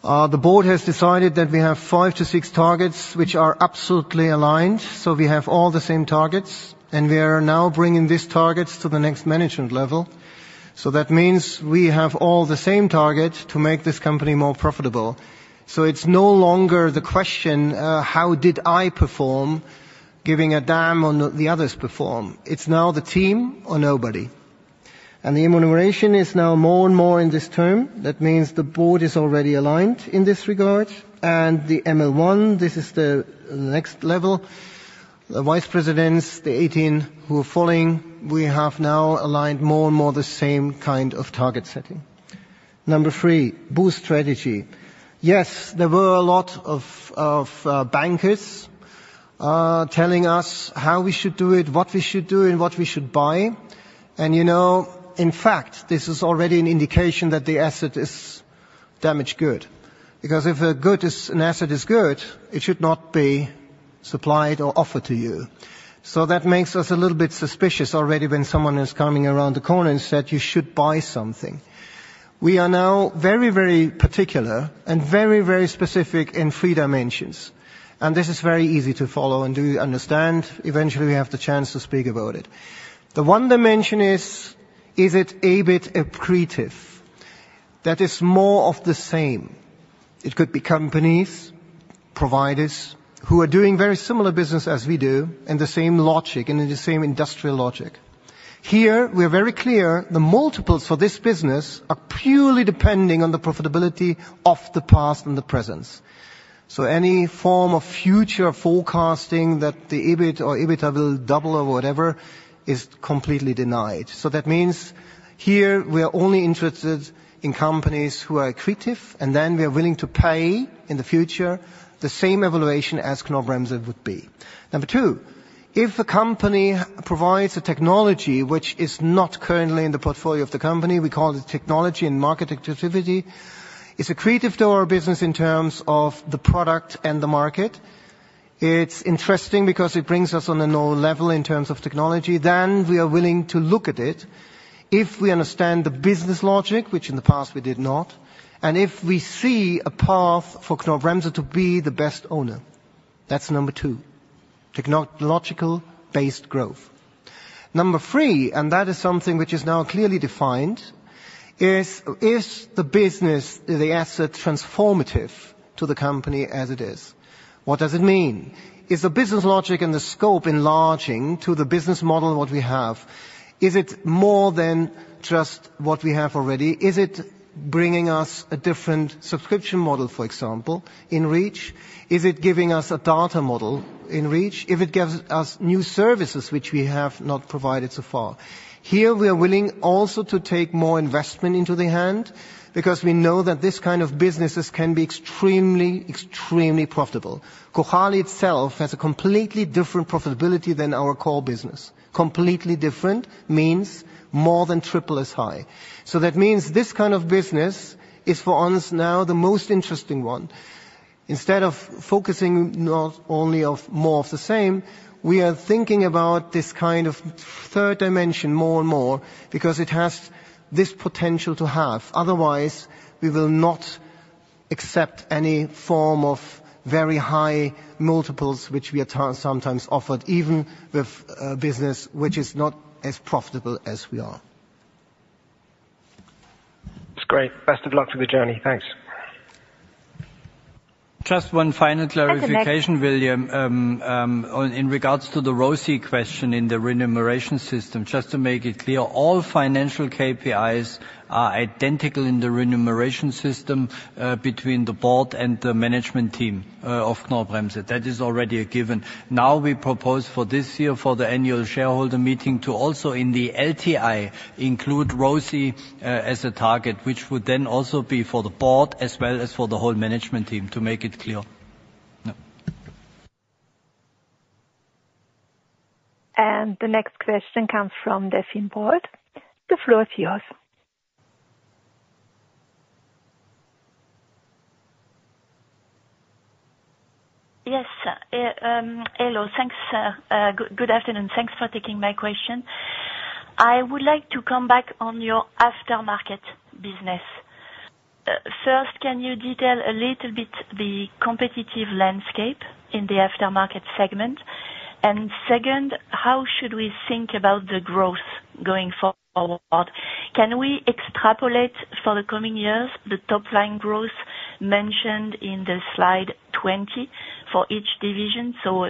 Speaker 2: the board has decided that we have 5-6 targets, which are absolutely aligned. So, we have all the same targets, and we are now bringing these targets to the next management level. So, that means we have all the same targets to make this company more profitable. So, it's no longer the question, how did I perform, giving a damn on the others perform. It's now the team or nobody. And the remuneration is now more and more in this term. That means the board is already aligned in this regard. And the ML1, this is the next level, the vice presidents, the 18 who are following, we have now aligned more and more the same kind of target setting. Number three, BOOST strategy. Yes, there were a lot of bankers, telling us how we should do it, what we should do, and what we should buy. And you know, in fact, this is already an indication that the asset is damaged good because if a good is an asset is good, it should not be supplied or offered to you. So, that makes us a little bit suspicious already when someone is coming around the corner and said, "You should buy something." We are now very, very particular and very, very specific in three dimensions. And this is very easy to follow and do you understand? Eventually, we have the chance to speak about it. The one dimension is, is it a bit accretive? That is more of the same. It could be companies, providers who are doing very similar business as we do and the same logic and in the same industrial logic. Here, we are very clear. The multiples for this business are purely depending on the profitability of the past and the present. So, any form of future forecasting that the EBIT or EBITDA will double or whatever is completely denied. So, that means here, we are only interested in companies who are accretive, and then we are willing to pay in the future the same valuation as Knorr-Bremse would be. Number two, if a company provides a technology which is not currently in the portfolio of the company, we call it technology and market attractivity, it's accretive to our business in terms of the product and the market. It's interesting because it brings us on a low level in terms of technology. Then we are willing to look at it if we understand the business logic, which in the past, we did not, and if we see a path for Knorr-Bremse to be the best owner. That's number two, technological-based growth. Number three, and that is something which is now clearly defined, is if the business, the asset, is transformative to the company as it is. What does it mean? Is the business logic and the scope enlarging to the business model what we have? Is it more than just what we have already? Is it bringing us a different subscription model, for example, in rail? Is it giving us a data model in rail if it gives us new services which we have not provided so far? Here, we are willing also to take more investment into the hand because we know that this kind of businesses can be extremely, extremely profitable. Cojali itself has a completely different profitability than our core business. Completely different means more than triple as high. So, that means this kind of business is, for us now, the most interesting one. Instead of focusing not only on more of the same, we are thinking about this kind of third dimension more and more because it has this potential to have. Otherwise, we will not accept any form of very high multiples which we are sometimes offered, even with a business which is not as profitable as we are.
Speaker 9: That's great. Best of luck for the journey. Thanks.
Speaker 3: Just one final clarification, William, on, in regards to the ROCE question in the remuneration system. Just to make it clear, all financial KPIs are identical in the remuneration system, between the board and the management team, of Knorr-Bremse. That is already a given. Now we propose for this year, for the annual shareholder meeting, to also in the LTI include ROCE, as a target, which would then also be for the board as well as for the whole management team, to make it clear. No.
Speaker 4: The next question comes from the Delphine Brault. The floor is yours.
Speaker 10: Yes. Hello. Thanks, good afternoon. Thanks for taking my question. I would like to come back on your Aftermarket business. First, can you detail a little bit the competitive landscape in the Aftermarket segment? And second, how should we think about the growth going forward? Can we extrapolate for the coming years the top-line growth mentioned in the slide 20 for each division, so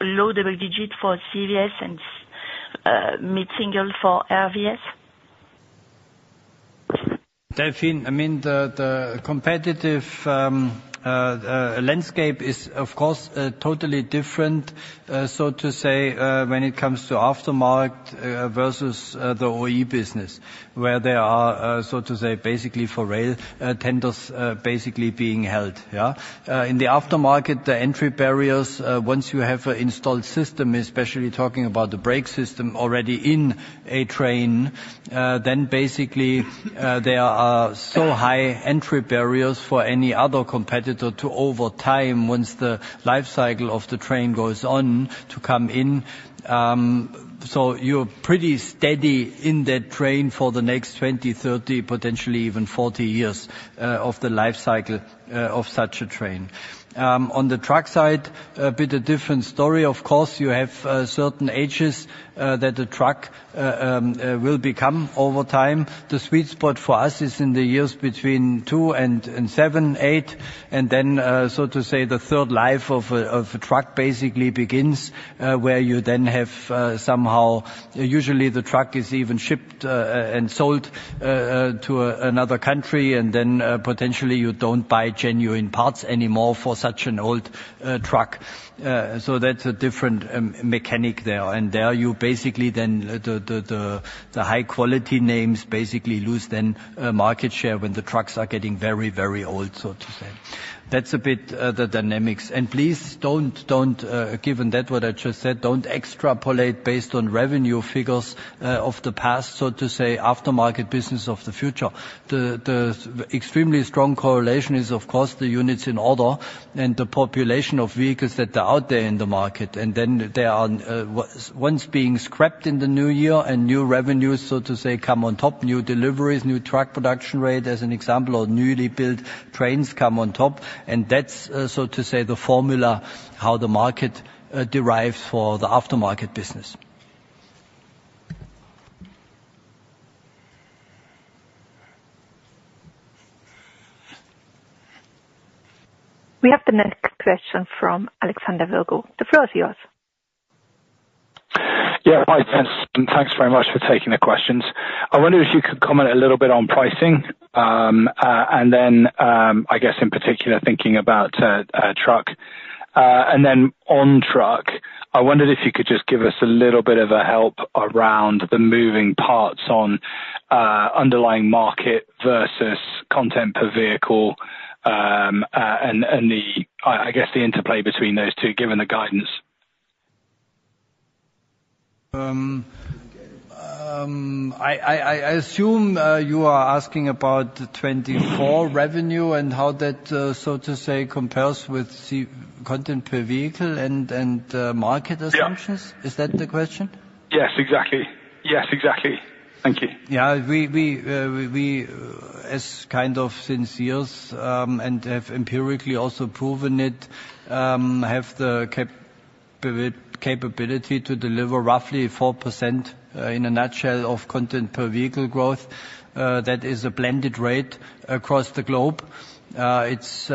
Speaker 10: low double-digit for CVS and mid-single for RVS?
Speaker 3: Delphine. I mean, the competitive landscape is, of course, totally different, so to say, when it comes to Aftermarket versus the OE business, where there are, so to say, basically for Rail, tenders basically being held, yeah? In the Aftermarket, the entry barriers, once you have an installed system, especially talking about the brake system already in a train, then basically there are so high entry barriers for any other competitor to over time once the lifecycle of the train goes on to come in. So, you're pretty steady in that train for the next 20, 30, potentially even 40 years of the lifecycle of such a train. On the Truck side, a bit different story. Of course, you have certain ages that a truck will become over time. The sweet spot for us is in the years between 2 and 7, 8. And then, so to say, the third life of a truck basically begins, where you then have, somehow usually, the truck is even shipped, and sold, to another country. And then, potentially, you don't buy genuine parts anymore for such an old truck. So, that's a different mechanics there. And there you basically then the high-quality names basically lose then market share when the trucks are getting very, very old, so to say. That's a bit the dynamics. And please don't, don't, given that, what I just said, don't extrapolate based on revenue figures of the past, so to say, Aftermarket business of the future. There's extremely strong correlation is, of course, the units in order and the population of vehicles that are out there in the market. Then there are what's once being scrapped in the new year, and new revenues, so to say, come on top, new deliveries, new truck production rate, as an example, or newly built trains come on top. That's, so to say, the formula how the market derives for the Aftermarket business.
Speaker 4: We have the next question from Alexander Virgo. The floor is yours.
Speaker 11: Yeah. Hi, guys. Thanks very much for taking the questions. I wondered if you could comment a little bit on pricing, and then, I guess, in particular, thinking about Truck. And then on Truck, I wondered if you could just give us a little bit of a help around the moving parts on underlying market versus content per vehicle, and, and the I, I guess, the interplay between those two, given the guidance.
Speaker 3: I assume you are asking about the 2024 revenue and how that, so to say, compares with C content per vehicle and market assumptions.
Speaker 11: Yes.
Speaker 3: Is that the question?
Speaker 11: Yes. Exactly. Yes. Exactly. Thank you.
Speaker 3: Yeah. We as kind of sinceres and have empirically also proven it have the capability to deliver roughly 4%, in a nutshell, of content per vehicle growth. That is a blended rate across the globe. It's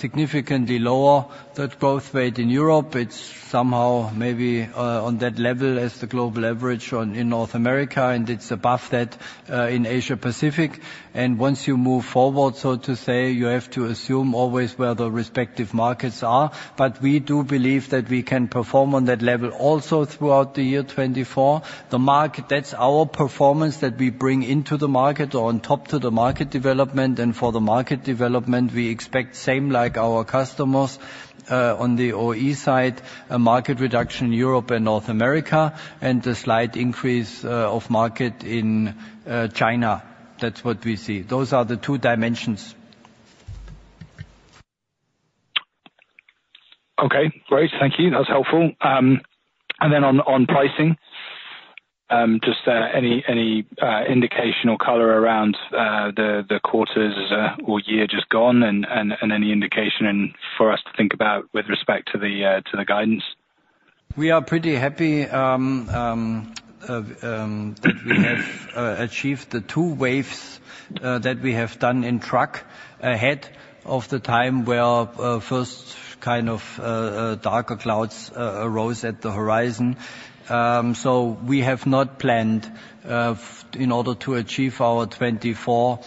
Speaker 3: significantly lower, that growth rate, in Europe. It's somehow maybe on that level as the global average or in North America. And it's above that in Asia-Pacific. And once you move forward, so to say, you have to assume always where the respective markets are. But we do believe that we can perform on that level also throughout the year 2024. The market, that's our performance that we bring into the market or on top to the market development. And for the market development, we expect same, like our customers, on the OE side, a market reduction in Europe and North America and a slight increase of market in China. That's what we see. Those are the two dimensions.
Speaker 11: Okay. Great. Thank you. That's helpful. And then on pricing, just any indication or color around the quarters or year just gone and any indication for us to think about with respect to the guidance?
Speaker 3: We are pretty happy that we have achieved the two waves that we have done in Truck ahead of the time where first kind of darker clouds arose at the horizon. So, we have not planned for in order to achieve our 2024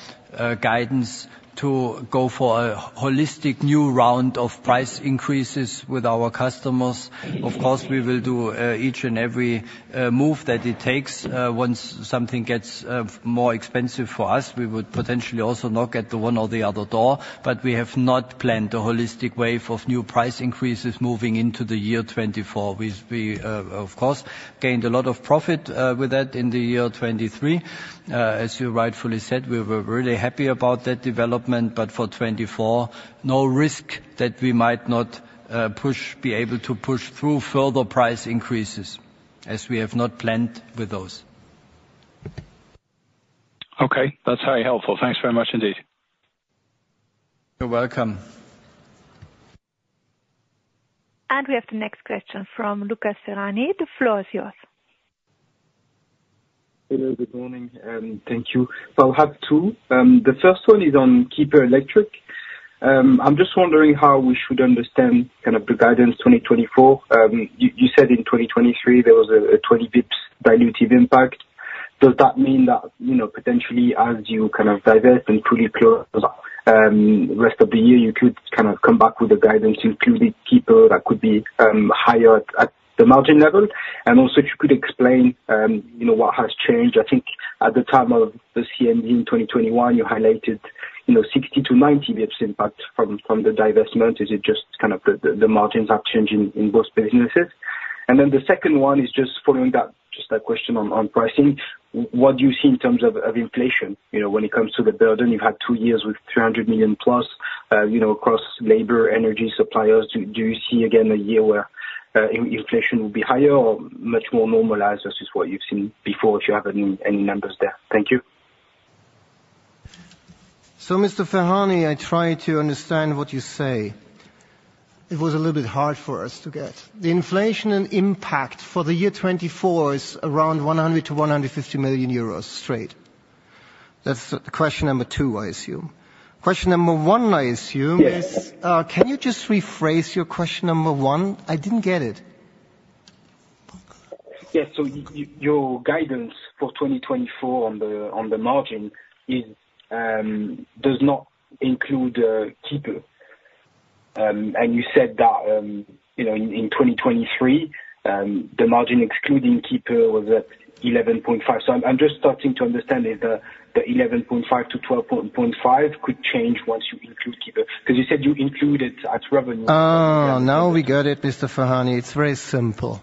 Speaker 3: guidance to go for a holistic new round of price increases with our customers. Of course, we will do each and every move that it takes. Once something gets more expensive for us, we would potentially also knock at the one or the other door. But we have not planned a holistic wave of new price increases moving into the year 2024. We, we, of course, gained a lot of profit with that in the year 2023. As you rightfully said, we were really happy about that development. But for 2024, no risk that we might not be able to push through further price increases as we have not planned with those.
Speaker 11: Okay. That's very helpful. Thanks very much indeed.
Speaker 3: You're welcome.
Speaker 4: We have the next question from Lucas Ferhani. The floor is yours.
Speaker 12: Hello. Good morning. Thank you. Well, I'll have two. The first one is on Kiepe Electric. I'm just wondering how we should understand kind of the guidance 2024. You, you said in 2023, there was a 20 basis points dilutive impact. Does that mean that, you know, potentially, as you kind of divest and fully close rest of the year, you could kind of come back with a guidance including Kiepe that could be higher at the margin level? And also, if you could explain, you know, what has changed. I think at the time of the CMD in 2021, you highlighted, you know, 60-90 basis points impact from the divestment. Is it just kind of the margins have changed in both businesses? And then the second one is just following that, just that question on pricing. What do you see in terms of inflation, you know, when it comes to the burden? You've had two years with 300 million plus, you know, across labor, energy suppliers. Do you see again a year where inflation will be higher or much more normalized versus what you've seen before if you have any numbers there? Thank you.
Speaker 3: So, Mr. Ferhani, I try to understand what you say. It was a little bit hard for us to get. The inflation and impact for the year 2024 is around 100 million-150 million euros straight. That's the question number 2, I assume. Question number 1, I assume, is.
Speaker 12: Yes.
Speaker 3: Can you just rephrase your question number one? I didn't get it.
Speaker 12: Yes. So your guidance for 2024 on the margin does not include Kiepe And you said that, you know, in 2023, the margin excluding Kiepe was at 11.5%. So I'm just starting to understand if the 11.5%-12.5% could change once you include Kiepe because you said you included at revenue.
Speaker 3: Oh, now we got it, Mr. Ferhani. It's very simple.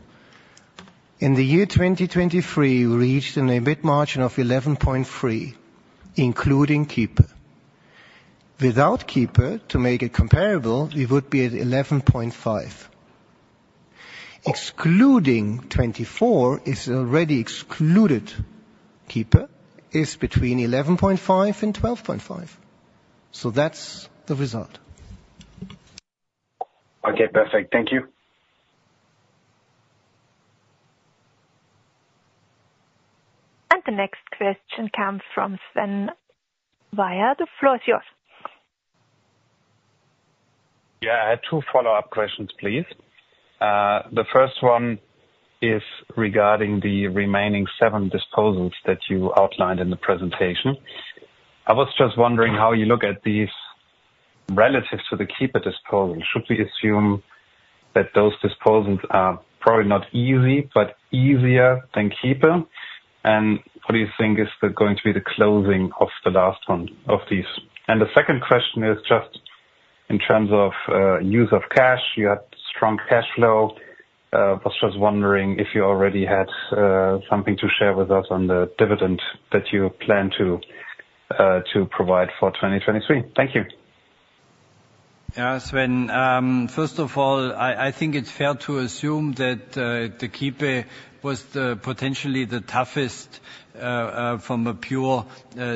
Speaker 3: In the year 2023, we reached an EBIT margin of 11.3% including Kiepe. Without Kiepe, to make it comparable, we would be at 11.5%. Excluding 2024 is already excluded Kiepe is between 11.5% and 12.5%. So, that's the result. Okay. Perfect. Thank you.
Speaker 4: The next question comes from Sven Weier. The floor is yours.
Speaker 5: Yeah. I had two follow-up questions, please. The first one is regarding the remaining seven disposals that you outlined in the presentation. I was just wondering how you look at these relative to the Kiepe disposal. Should we assume that those disposals are probably not easy but easier than Kiepe? And what do you think is the going to be the closing of the last one of these? And the second question is just in terms of, use of cash. You had strong cash flow. Was just wondering if you already had, something to share with us on the dividend that you plan to, to provide for 2023. Thank you.
Speaker 3: Yeah, Sven. First of all, I, I think it's fair to assume that the Kiepe was potentially the toughest from a pure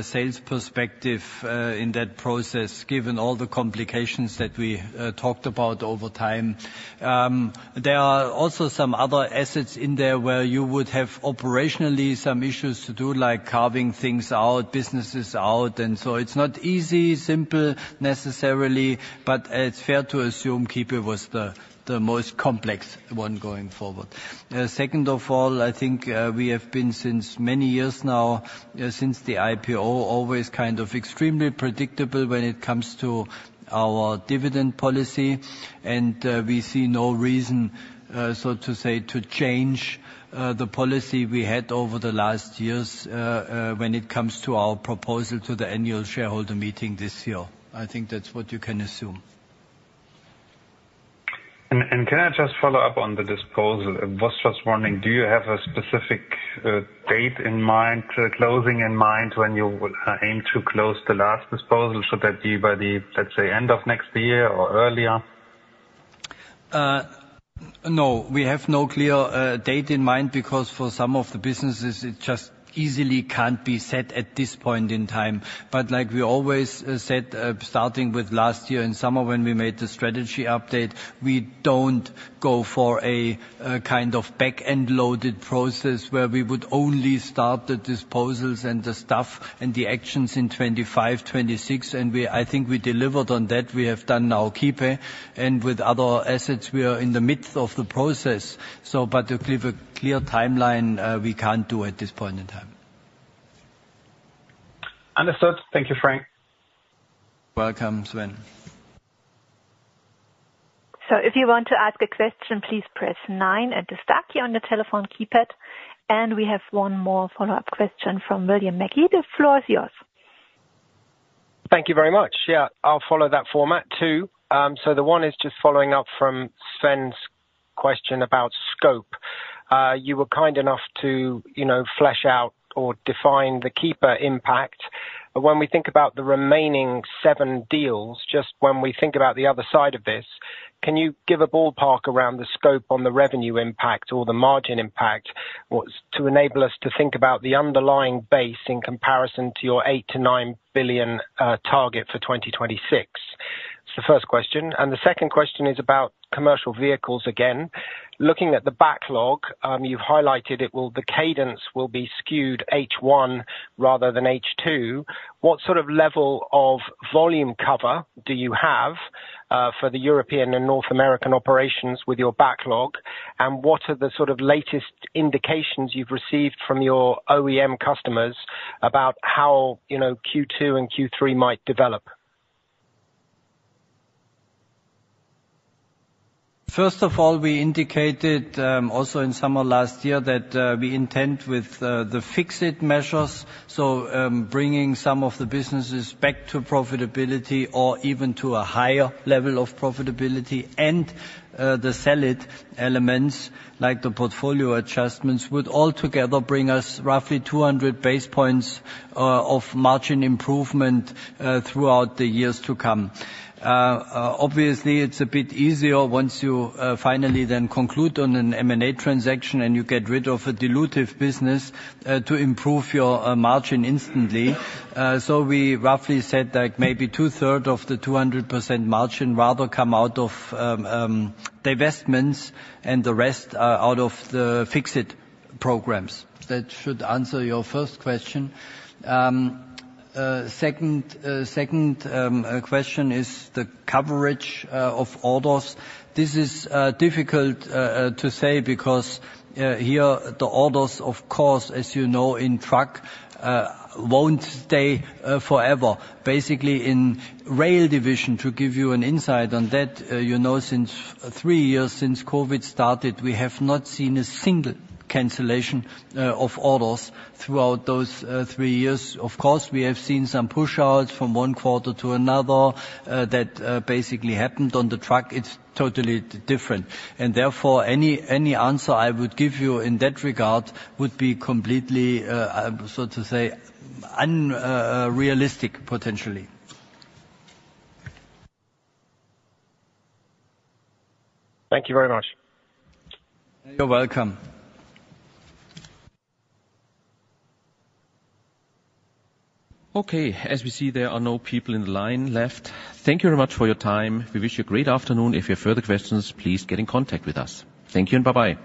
Speaker 3: sales perspective in that process, given all the complications that we talked about over time. There are also some other assets in there where you would have operationally some issues to do, like carving things out, businesses out. And so it's not easy, simple, necessarily. But it's fair to assume Kiepe was the most complex one going forward. Second of all, I think we have been since many years now, since the IPO, always kind of extremely predictable when it comes to our dividend policy. And we see no reason, so to say, to change the policy we had over the last years, when it comes to our proposal to the annual shareholder meeting this year. I think that's what you can assume.
Speaker 5: Can I just follow up on the disposal? I was just wondering, do you have a specific date in mind, closing in mind when you will aim to close the last disposal? Should that be by the, let's say, end of next year or earlier?
Speaker 3: No. We have no clear date in mind because for some of the businesses, it just easily can't be set at this point in time. But like we always said, starting with last year in summer when we made the strategy update, we don't go for a kind of back-end-loaded process where we would only start the disposals and the stuff and the actions in 2025, 2026. And I think we delivered on that. We have done now Kiepe. And with other assets, we are in the midst of the process. So, but to give a clear timeline, we can't do at this point in time.
Speaker 5: Understood. Thank you, Frank.
Speaker 3: Welcome, Sven.
Speaker 4: If you want to ask a question, please press nine at the star here on the telephone keypad. We have one more follow-up question from William Mackie. The floor is yours.
Speaker 9: Thank you very much. Yeah. I'll follow that format too. So, the one is just following up from Sven's question about scope. You were kind enough to, you know, flesh out or define the Kiepe impact. But when we think about the remaining seven deals, just when we think about the other side of this, can you give a ballpark around the scope on the revenue impact or the margin impact what's to enable us to think about the underlying base in comparison to your 8 billion-9 billion target for 2026? That's the first question. The second question is about commercial vehicles again. Looking at the backlog, you've highlighted the cadence will be skewed H1 rather than H2. What sort of level of volume cover do you have for the European and North American operations with your backlog? What are the sort of latest indications you've received from your OEM customers about how, you know, Q2 and Q3 might develop?
Speaker 3: First of all, we indicated also in summer last year that we intend with the Fix-It measures, so bringing some of the businesses back to profitability or even to a higher level of profitability and the Sell-It elements like the portfolio adjustments would altogether bring us roughly 200 basis points of margin improvement throughout the years to come. Obviously, it's a bit easier once you finally then conclude on an M&A transaction and you get rid of a dilutive business to improve your margin instantly. So, we roughly said like maybe 2/3 of the 200 basis points margin rather come out of divestments and the rest out of the Fix-It programs. That should answer your first question. Second question is the coverage of orders. This is difficult to say because here the orders, of course, as you know, in Truck, won't stay forever. Basically, in Rail division, to give you an insight on that, you know, since three years since COVID started, we have not seen a single cancellation of orders throughout those three years. Of course, we have seen some push-outs from one quarter to another that basically happened on the Truck. It's totally different. And therefore, any, any answer I would give you in that regard would be completely, so to say, unrealistic potentially.
Speaker 9: Thank you very much.
Speaker 3: You're welcome.
Speaker 1: Okay. As we see, there are no people in the line left. Thank you very much for your time. We wish you a great afternoon. If you have further questions, please get in contact with us. Thank you and bye-bye.